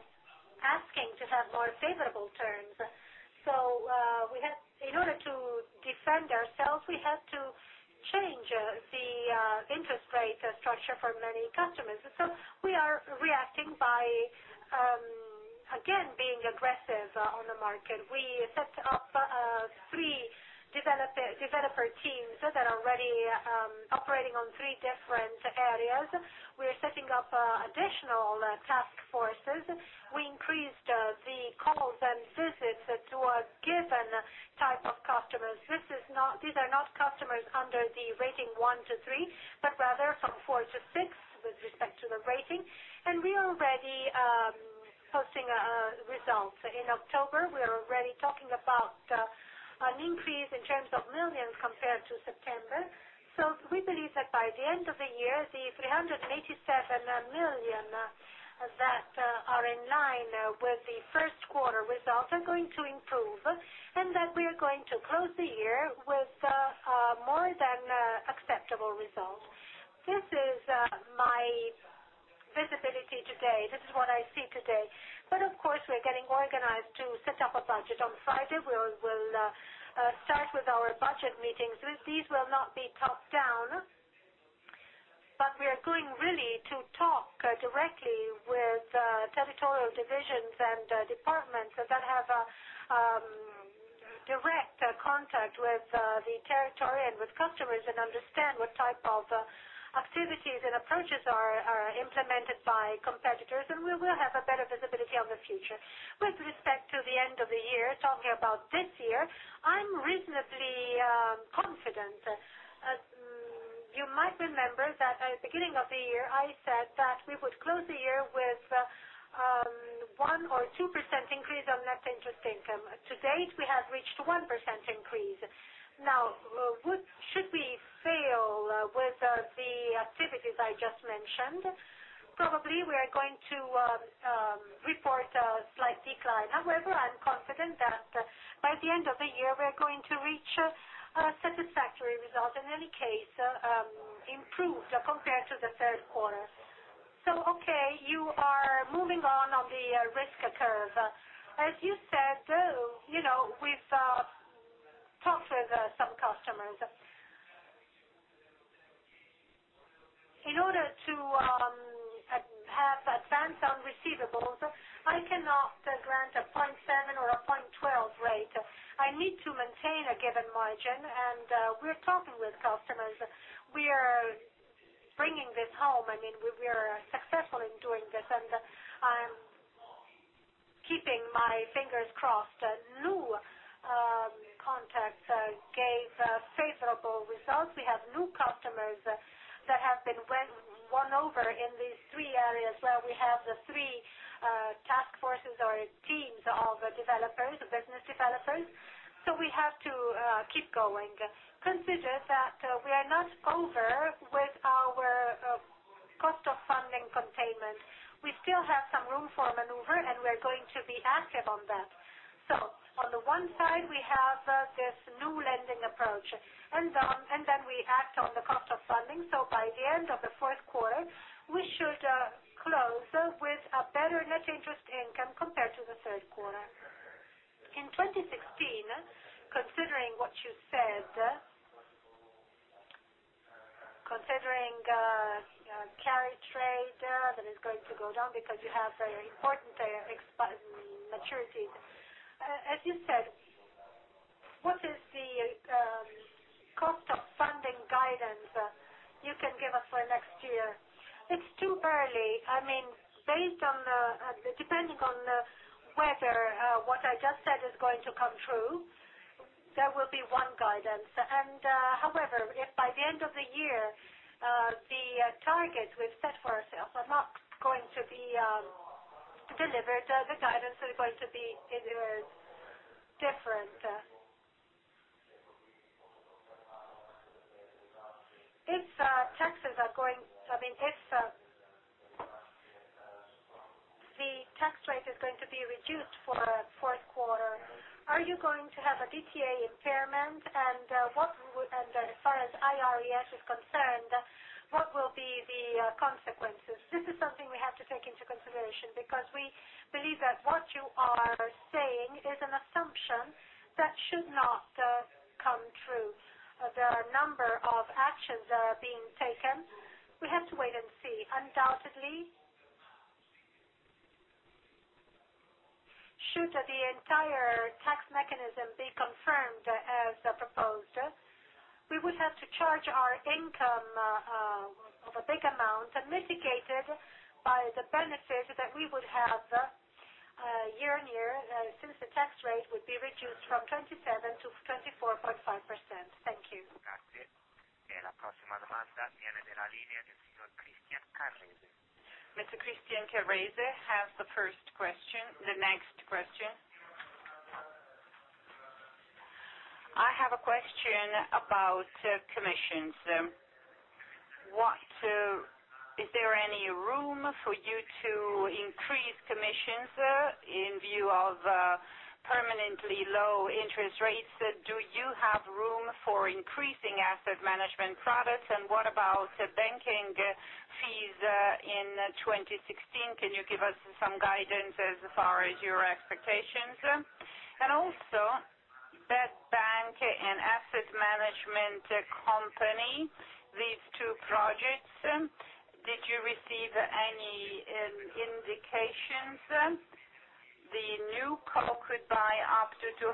asking to have more favorable terms. In order to defend ourselves, we had to change the interest rate structure for many customers. We are reacting by, again, being aggressive on the market. We set up three developer teams that are already operating on three different areas. We are setting up additional task forces. We increased the calls and visits to a given type of customers. These are not customers under the rating 1 to 3, but rather from 4 to 6 with respect to the rating. We are already posting results. In October, we are already talking about an increase in terms of millions compared to September. We believe that by the end of the year, the 387 million that are in line with the first quarter results are going to improve, and that we are going to close the year with more than acceptable results. This is my visibility today. This is what I see today. Of course, we are getting organized to set up a budget. On Friday, we'll start with our budget meetings. These will not be top-down, but we are going really to talk directly with territorial divisions and departments that have a direct contact with the territory and with customers and understand what type of activities and approaches are implemented by competitors, and we will have a better visibility on the future. With respect to the end of the year, talking about this year, I'm reasonably confident. You might remember that at the beginning of the year, I said that we would close the year with 1% or 2% increase on net interest income. To date, we have reached 1% increase. Should we fail with the activities I just mentioned, probably we are going to report a slight decline. However, I'm confident that by the end of the year, we are going to reach a satisfactory result. In any case, improved compared to the third quarter. You are moving on on the risk curve. As you said, we've talked with some customers. In order to have advance on receivables, I cannot grant a 0.7 or a 0.12 rate. I need to maintain a given margin, and we're talking with customers. We are bringing this home. We are successful in doing this, and I'm keeping my fingers crossed. New contacts gave favorable results. We have new customers that have been won over in these three areas where we have the three task forces or teams of business developers. We have to keep going. Consider that we are not over with our cost of funding containment. We still have some room for maneuver, and we are going to be active on that. On the one side, we have this new lending approach. We act on the cost of funding. By the end of the fourth quarter, we should close with a better net interest income compared to the third quarter. In 2016, considering what you said, considering carry trade that is going to go down because you have very important expunged maturities. As you said, what is the cost of funding guidance you can give us for next year? It's too early. Depending on whether what I just said is going to come true, there will be one guidance. However, if by the end of the year the targets we've set for ourselves are not going to be delivered, the guidance is going to be different. If the tax rate is going to be reduced for fourth quarter, are you going to have a DTA impairment and as far as IRES is concerned, what will be the consequences? This is something we have to take into consideration, because we believe that what you are saying is an assumption that should not come true. There are a number of actions that are being taken. We have to wait and see. Undoubtedly, should the entire tax mechanism be confirmed as proposed, we would have to charge our income of a big amount and mitigate it by the benefit that we would have year-on-year, since the tax rate would be reduced from 27% to 24.5%. Thank you. Mr. Christian Carrese has the next question. I have a question about commissions. Is there any room for you to increase commissions in view of permanently low interest rates? Do you have room for increasing asset management products and what about the banking fees in 2016? Can you give us some guidance as far as your expectations? Also, bad bank and asset management company, these two projects, did you receive any indications the new co could buy up to 200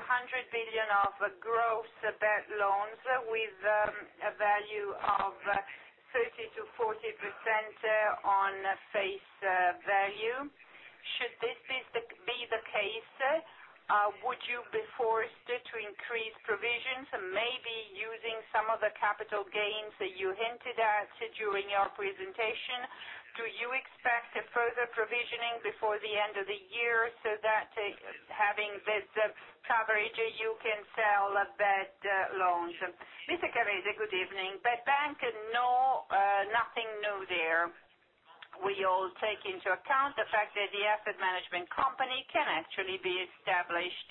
billion of gross bad loans with a value of 30%-40% on face value? Should this be the case, would you be forced to increase provisions, maybe using some of the capital gains that you hinted at during your presentation? Do you expect further provisioning before the end of the year, so that having this coverage, you can sell bad loans? Mr. Carrese, good evening. bad bank, nothing new there. We all take into account the fact that the asset management company can actually be established.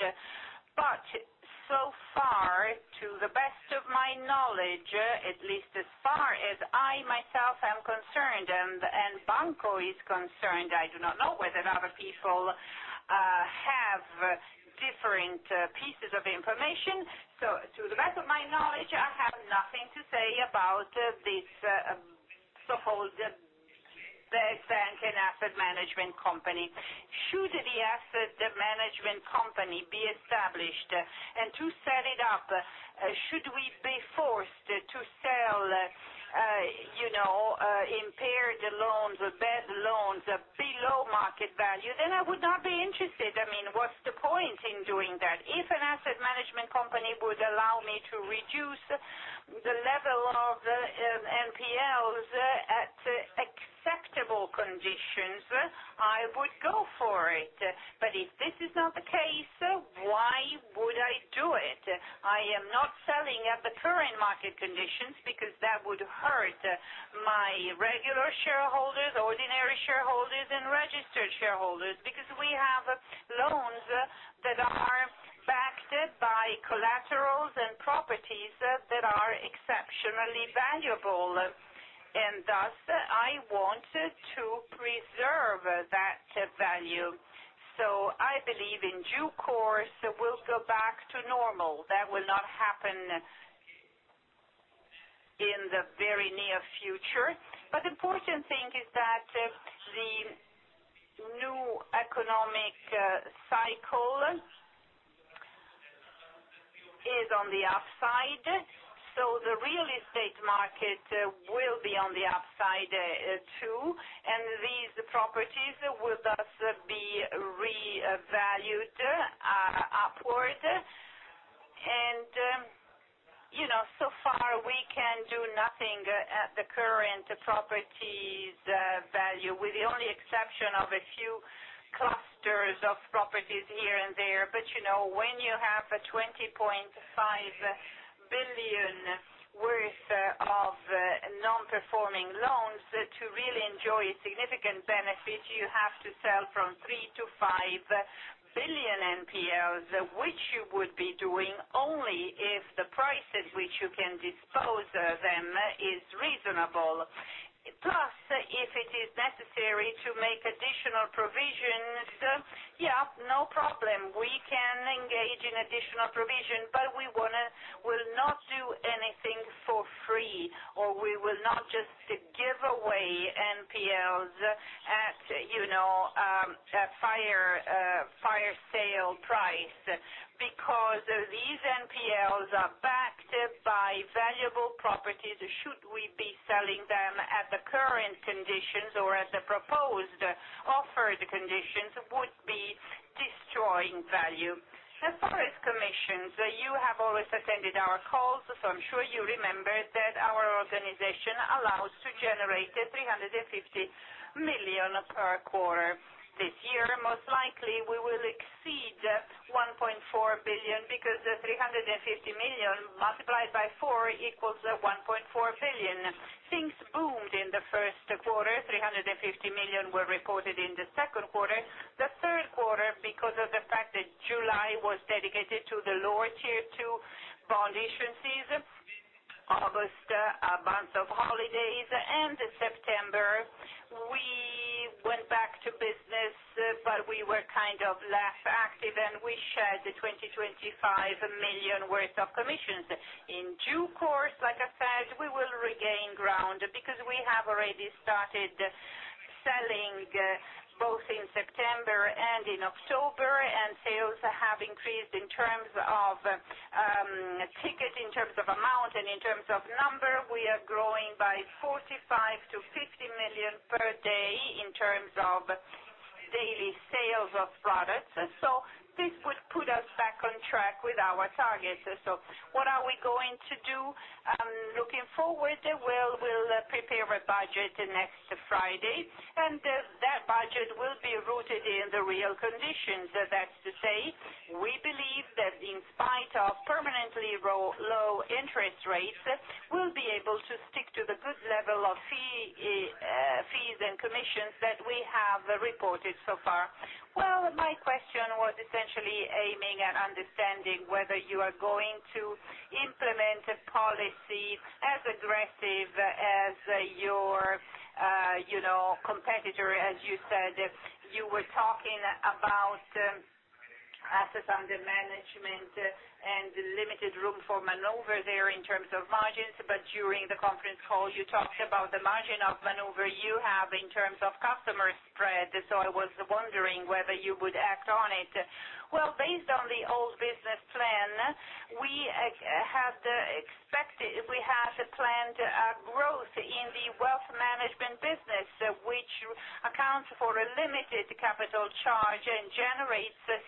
So far, to the best of my knowledge, at least as far as I myself am concerned and Banco is concerned, I do not know whether other people have different pieces of information. To the best of my knowledge, I have nothing to say about this supposed bad bank and asset management company. Should the asset management company be established and to set it up, should we be forced to sell impaired loans or bad loans below market value, then I would not be interested. What's the point in doing that? If an asset management company would allow me to reduce the level of NPLs at acceptable conditions, I would go for it. If this is not the case, why would I do it? I am not selling at the current market conditions because that would hurt my regular shareholders, ordinary shareholders, and registered shareholders, because we have loans that are backed by collaterals and properties that are exceptionally valuable, and thus, I want to preserve that value. I believe in due course, we'll go back to normal. That will not happen in the very near future. Important thing is that the new economic cycle is on the upside. The real estate market will be on the upside too, and these properties will thus be revalued upward. So far, we can do nothing at the current properties value, with the only exception of a few clusters of properties here and there. When you have 20.5 billion worth of non-performing loans, to really enjoy significant benefit, you have to sell from 3 billion-5 billion NPLs, which you would be doing only if the prices which you can dispose them is reasonable. If it is necessary to make additional provisions, no problem. We can engage in additional provision, we will not do anything for free, or we will not just give away NPLs at fire sale price. These NPLs are backed by valuable properties, should we be selling them at the current conditions or at the proposed offered conditions, would be destroying value. As far as commissions, you have always attended our calls, so I'm sure you remember that our organization allows to generate 350 million per quarter. This year, most likely we will exceed 1.4 billion because the 350 million multiplied by four equals 1.4 billion. Things boomed in the first quarter, 350 million were recorded in the second quarter. The third quarter, because of the fact that July was dedicated to the Lower Tier 2 bond issuances, August a month of holidays, and September, we went back to business, but we were kind of less active, and we shed 25 million worth of commissions. In due course, like I said, we will regain ground because we have already started selling both in September and in October, and sales have increased in terms of ticket, in terms of amount, and in terms of number. We are growing by 45 million to 50 million per day in terms of daily sales of products. This would put us back on track with our targets. What are we going to do? Looking forward, we'll prepare a budget next Friday, that budget will be rooted in the real conditions. That's to say, we believe that in spite of permanently low interest rates, we'll be able to stick to the good level of fees and commissions that we have reported so far. My question was essentially aiming at understanding whether you are going to implement a policy as aggressive as your competitor, as you said. You were talking about assets under management and limited room for maneuver there in terms of margins. During the conference call, you talked about the margin of maneuver you have in terms of customer spread. I was wondering whether you would act on it. Based on the old business plan, we have planned a growth in the wealth management business, which accounts for a limited capital charge and generates a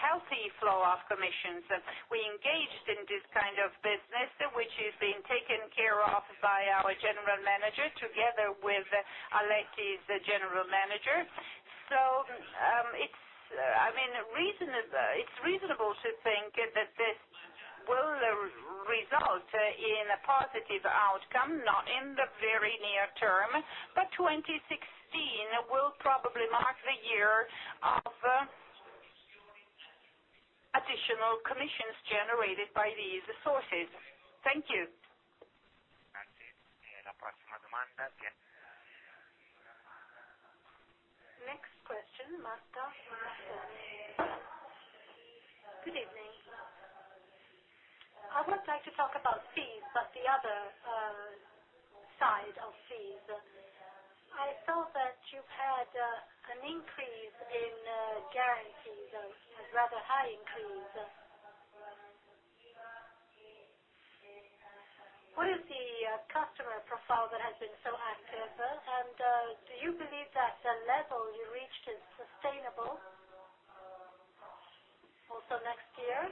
healthy flow of commissions. We engaged in this kind of business, which is being taken care of by our general manager, together with Aletti's general manager. It's reasonable to think that this will result in a positive outcome, not in the very near term, but 2016 will probably mark the year of additional commissions generated by these sources. Thank you. Next question, Marta Mazzocchi. Good evening. I would like to talk about fees, but the other side of fees. I saw that you've had an increase in guarantees, a rather high increase. What is the customer profile that has been so active, and do you believe that the level you reached is sustainable also next year?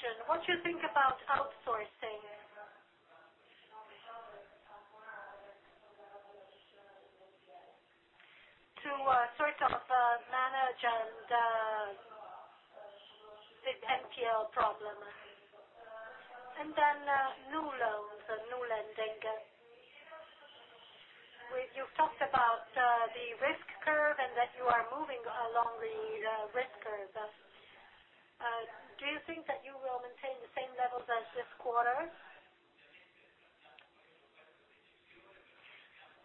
Second question, what do you think about outsourcing to sort of manage the NPL problem? New loans and new lending. You've talked about the risk curve and that you are moving along the risk curve. Do you think that you will maintain the same levels as this quarter?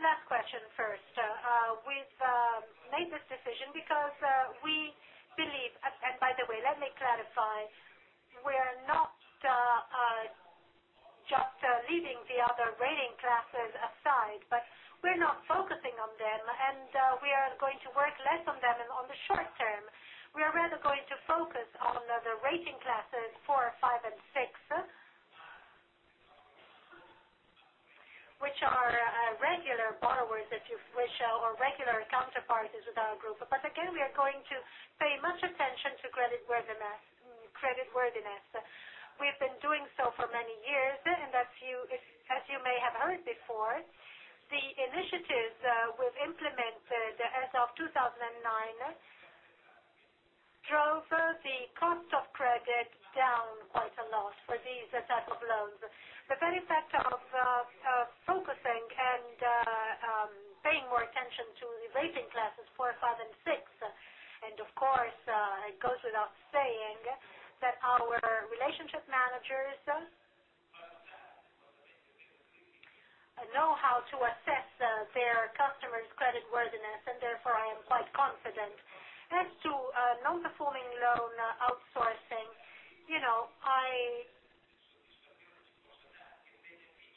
Last question first. We've made this decision because we believe. By the way, let me clarify, we're not just leaving the other rating classes aside, but we're not focusing on them, and we are going to work less on them and on the short term. We are rather going to focus on the rating classes 4, 5, and 6, which are regular borrowers or regular counterparties with our group. Again, we are going to pay much attention to creditworthiness. We've been doing so for many years, and as you may have heard before, the initiatives we've implemented as of 2009, drove the cost of credit down quite a lot for these types of loans. The very fact of focusing and paying more attention to the rating classes 4, 5, and 6. Of course, it goes without saying that our relationship managers know how to assess their customers' creditworthiness, and therefore, I am quite confident. As to non-performing loan outsourcing,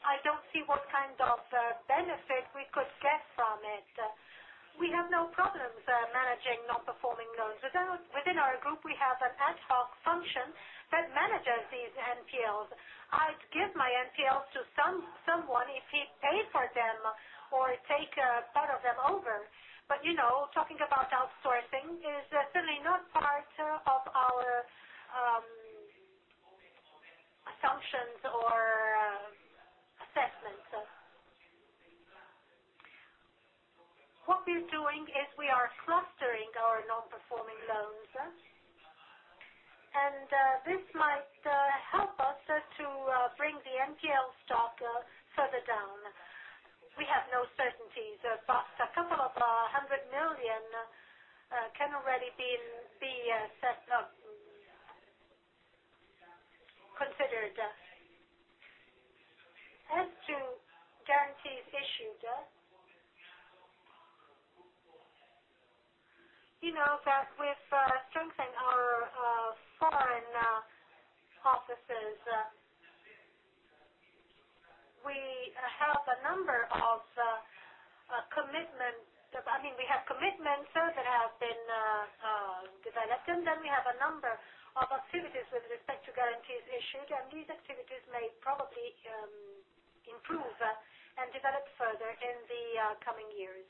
I don't see what kind of benefit we could get from it. We have no problems managing non-performing loans. Within our group, we have an ad hoc function that manages these NPLs. I'd give my NPLs to someone if he'd pay for them or take part of them over. Talking about outsourcing is certainly not part of our Or assessments. What we're doing is we are clustering our non-performing loans, and this might help us to bring the NPL stock further down. We have no certainties, but a couple of 100 million can already be considered. As to guarantees issued, you know that with strengthening our foreign offices, we have commitments that have been developed, and then we have a number of activities with respect to guarantees issued, and these activities may probably improve and develop further in the coming years.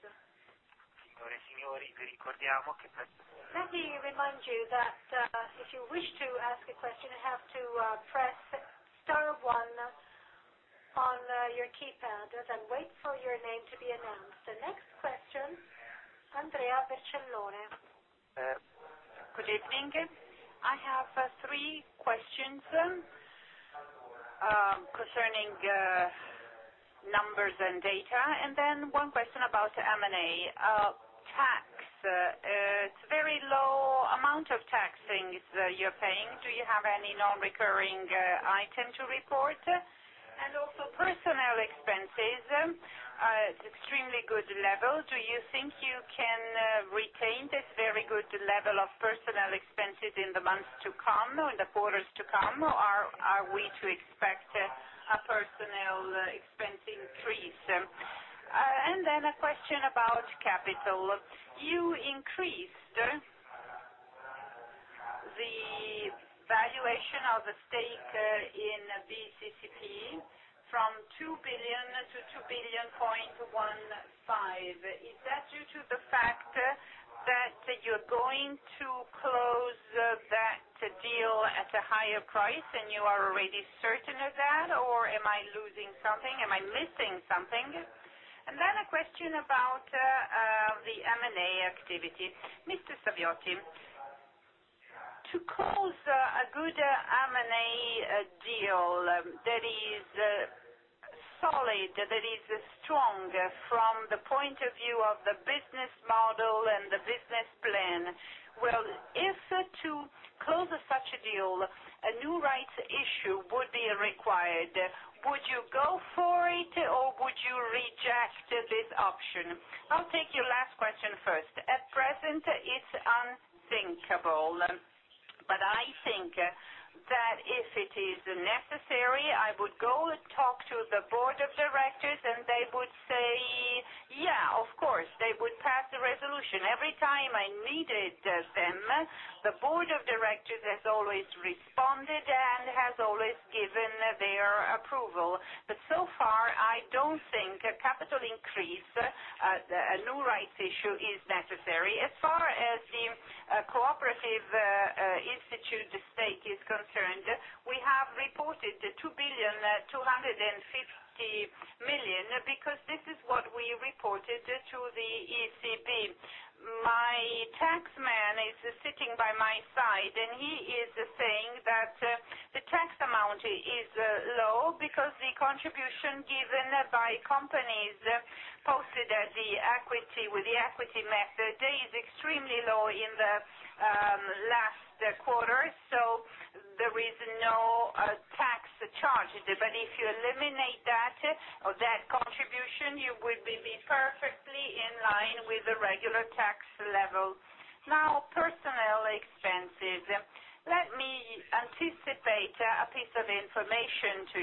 Let me remind you that if you wish to ask a question, you have to press star one on your keypad and wait for your name to be announced. The next question, Andrea Barcellona. Good evening. I have three questions concerning numbers and data. One question about M&A. Tax. It's very low amount of tax things you're paying. Do you have any non-recurring item to report? Personnel expenses, extremely good level. Do you think you can retain this very good level of personnel expenses in the months to come, in the quarters to come, or are we to expect a personnel expense increase? A question about capital. You increased the valuation of the stake in BCCP from 2 billion to 2.15 billion. Is that due to the fact that you're going to close that deal at a higher price, and you are already certain of that, or am I losing something? Am I missing something? A question about the M&A activity. Mr. Saviotti, to close a good M&A deal that is solid, that is strong from the point of view of the business model and the business plan. If to close such a deal, a new rights issue would be required, would you go for it, or would you reject this option? I'll take your last question first. At present, it's unthinkable. I think that if it is necessary, I would go talk to the board of directors, and they would say, "Yeah, of course." They would pass the resolution. Every time I needed them, the board of directors has always responded and has always given their approval. So far, I don't think a capital increase, a new rights issue is necessary. As far as the cooperative institute stake is concerned, we have reported 2.25 billion because this is what we reported to the ECB. My tax man is sitting by my side. He is saying that the tax amount is low because the contribution given by companies posted with the equity method is extremely low in the last quarter, so there is no tax charge. If you eliminate that contribution, you would be perfectly in line with the regular tax level. Personnel expenses. Let me anticipate a piece of information to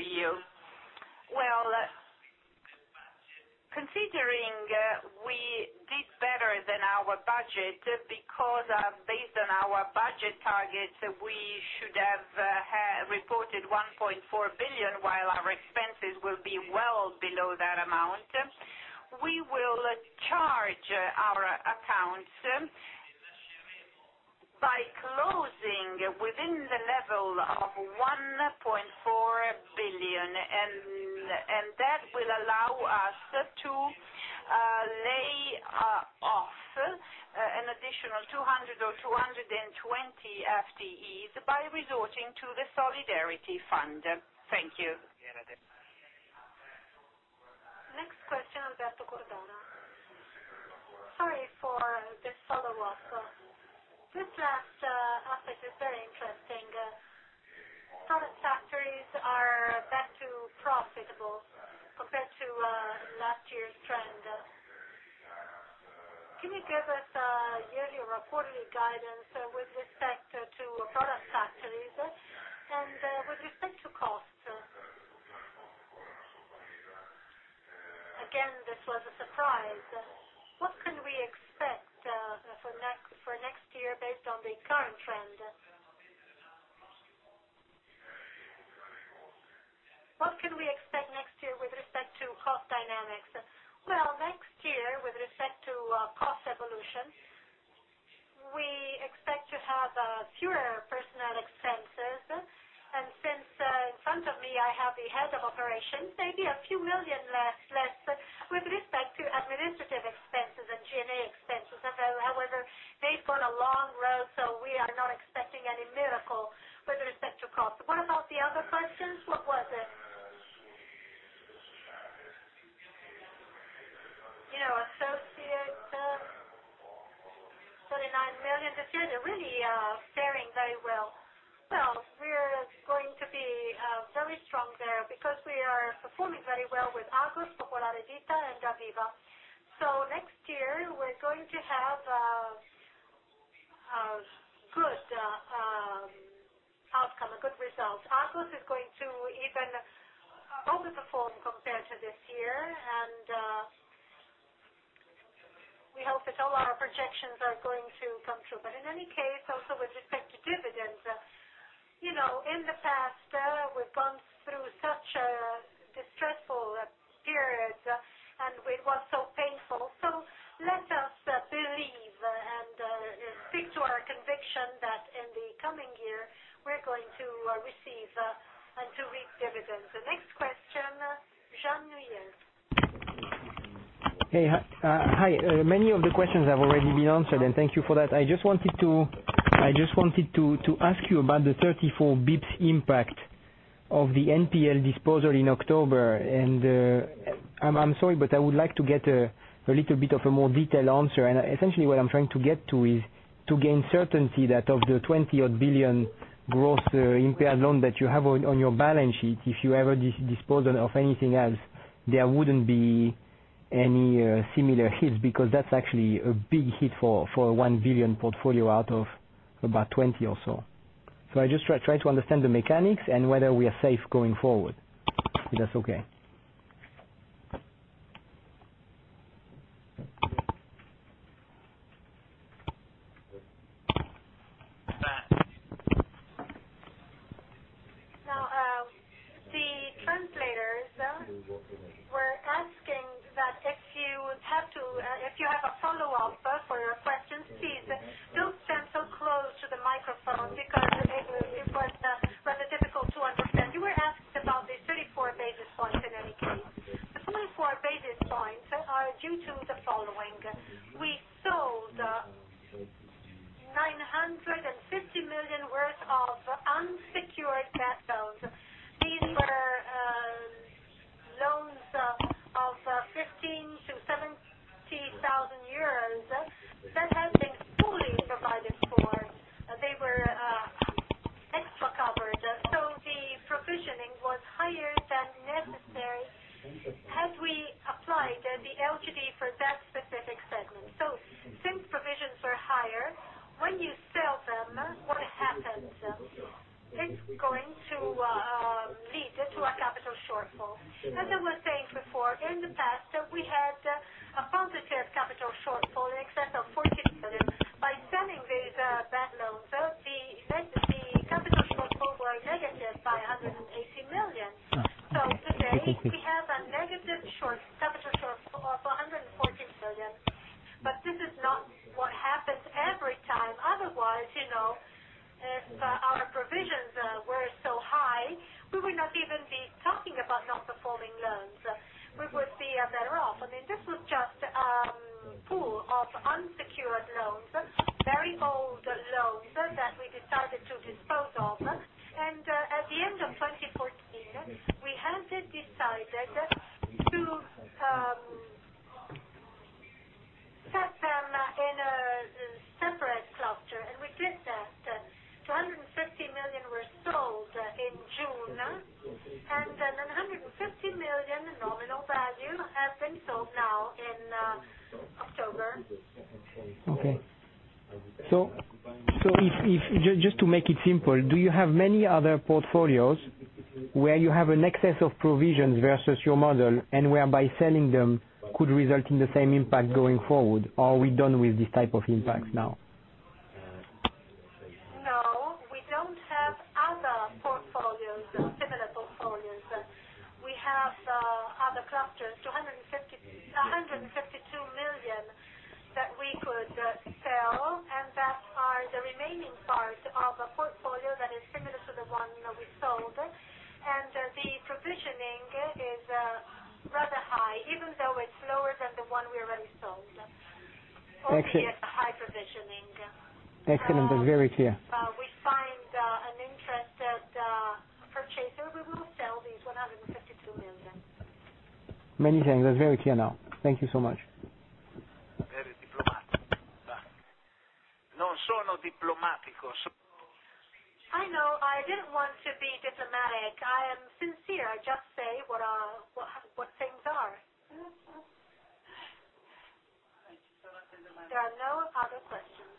you. Considering we did better than our budget because based on our budget targets, we should have reported 1.4 billion, while our expenses will be well below that amount. We will charge our accounts by closing within the level of 1.4 billion. That will allow us to lay off an additional 200 or 220 FTEs by resorting to the solidarity fund. Thank you. Next question, Alberto Cordara. Sorry for this follow-up. This last update is very interesting. Product factories are back to profitable compared to last year's trend. Can you give us yearly or quarterly guidance with respect to product factories and with respect to cost? Again, this was a surprise. What can we expect for next year based on the current trend? With respect to cost evolution, we expect to have fewer personnel expenses. Since in front of me I have the head of operations, maybe a few million less with respect to administrative expenses and G&A expenses. They've gone a long road, so we are not expecting any miracle with respect to cost. What about the other questions? What was it? Associate, 39 million. They're really faring very well. We're going to be very strong there because we are performing very well with Agos, Popolare Etica, and BPM Vita. Next year, we're going to have a good outcome, a good result. Agos is going to even over-perform compared to this year. We hope that all our projections are going to come true. In any case, also with respect to dividends, in the past, we've gone through such a distressful period, and it was so painful. Let us believe and stick to our conviction that in the coming year, we're going to receive and to reap dividends. The next question, Jean Nguyen. Hey. Hi. Many of the questions have already been answered. Thank you for that. I just wanted to ask you about the 34 basis points impact of the NPL disposal in October. I'm sorry, but I would like to get a little bit of a more detailed answer. Essentially, what I'm trying to get to is to gain certainty that of the 20-odd billion gross impaired loan that you have on your balance sheet, if you ever dispose of anything else, there wouldn't be any similar hits, because that's actually a big hit for a 1 billion portfolio out of about 20 or so. I just try to understand the mechanics and whether we are safe going forward, if that's okay. The translators were asking that if you have a follow-up for your questions, please don't stand so close to the microphone because it was rather difficult to understand. You were asking about the 34 basis points, in any case. The 34 basis points are due to the following. We sold 950 million worth of unsecured bad loans. These were loans of 15,000 to 70,000 euros that have been fully provided for. They were extra covered. The provisioning was higher than necessary had we applied the LGD for that specific segment. Since provisions are higher, when you sell them, what happens? It's going to lead to a capital shortfall. As I was saying before, in the past, we had are the remaining part of a portfolio that is similar to the one we sold. The provisioning is rather high, even though it's lower than the one we already sold. Excellent. Only at the high provisioning. Excellent. That's very clear. If we find an interested purchaser, we will sell these EUR 152 million. Many thanks. That's very clear now. Thank you so much. Very diplomatic. I know. I didn't want to be diplomatic. I am sincere. I just say what things are. There are no other questions.